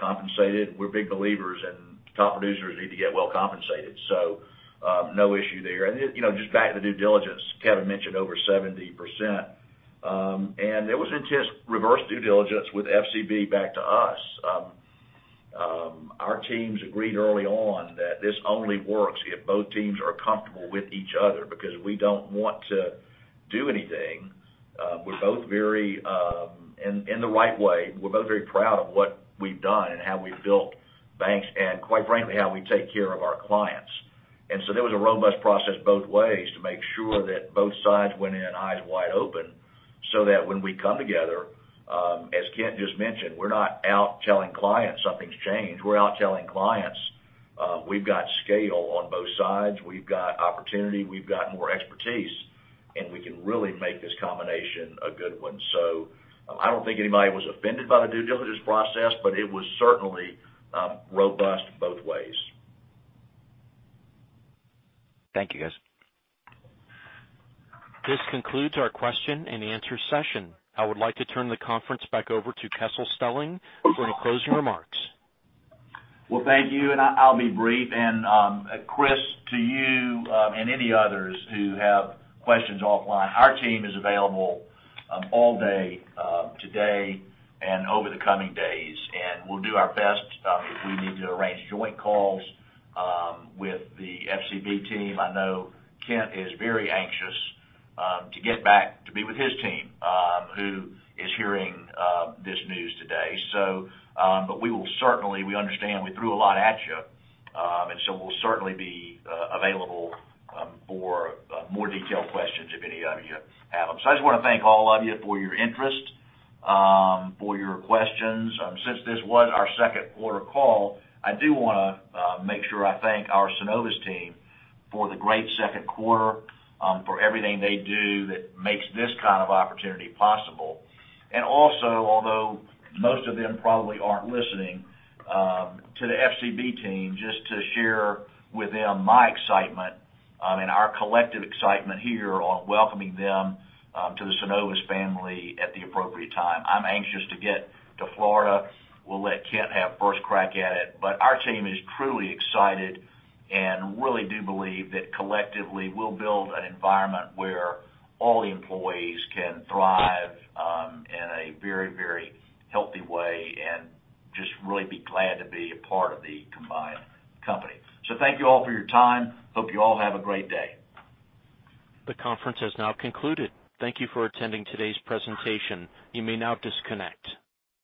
compensated. We're big believers in top producers need to get well compensated. No issue there. Just back to the due diligence, Kevin mentioned over 70%. There was intense reverse due diligence with FCB back to us. Our teams agreed early on that this only works if both teams are comfortable with each other because we don't want to do anything. In the right way, we're both very proud of what we've done and how we've built banks and quite frankly, how we take care of our clients. There was a robust process both ways to make sure that both sides went in eyes wide open so that when we come together, as Ken just mentioned, we're not out telling clients something's changed. We're out telling clients we've got scale on both sides. We've got opportunity. We've got more expertise, and we can really make this combination a good one. I don't think anybody was offended by the due diligence process, it was certainly robust both ways. Thank you, guys. This concludes our question and answer session. I would like to turn the conference back over to Kessel Stelling for any closing remarks. Thank you, I'll be brief. Christopher, to you, and any others who have questions offline, our team is available all day today and over the coming days, and we'll do our best if we need to arrange joint calls with the FCB team. I know Ken is very anxious to get back to be with his team, who is hearing this news today. We understand, we threw a lot at you. We'll certainly be available for more detailed questions if any of you have them. I just want to thank all of you for your interest, for your questions. Since this was our second quarter call, I do want to make sure I thank our Synovus team for the great second quarter, for everything they do that makes this kind of opportunity possible. Also, although most of them probably aren't listening, to the FCB team, just to share with them my excitement and our collective excitement here on welcoming them to the Synovus family at the appropriate time. I'm anxious to get to Florida. We'll let Ken have first crack at it. Our team is truly excited and really do believe that collectively, we'll build an environment where all the employees can thrive in a very healthy way and just really be glad to be a part of the combined company. Thank you all for your time. Hope you all have a great day. The conference has now concluded. Thank you for attending today's presentation. You may now disconnect.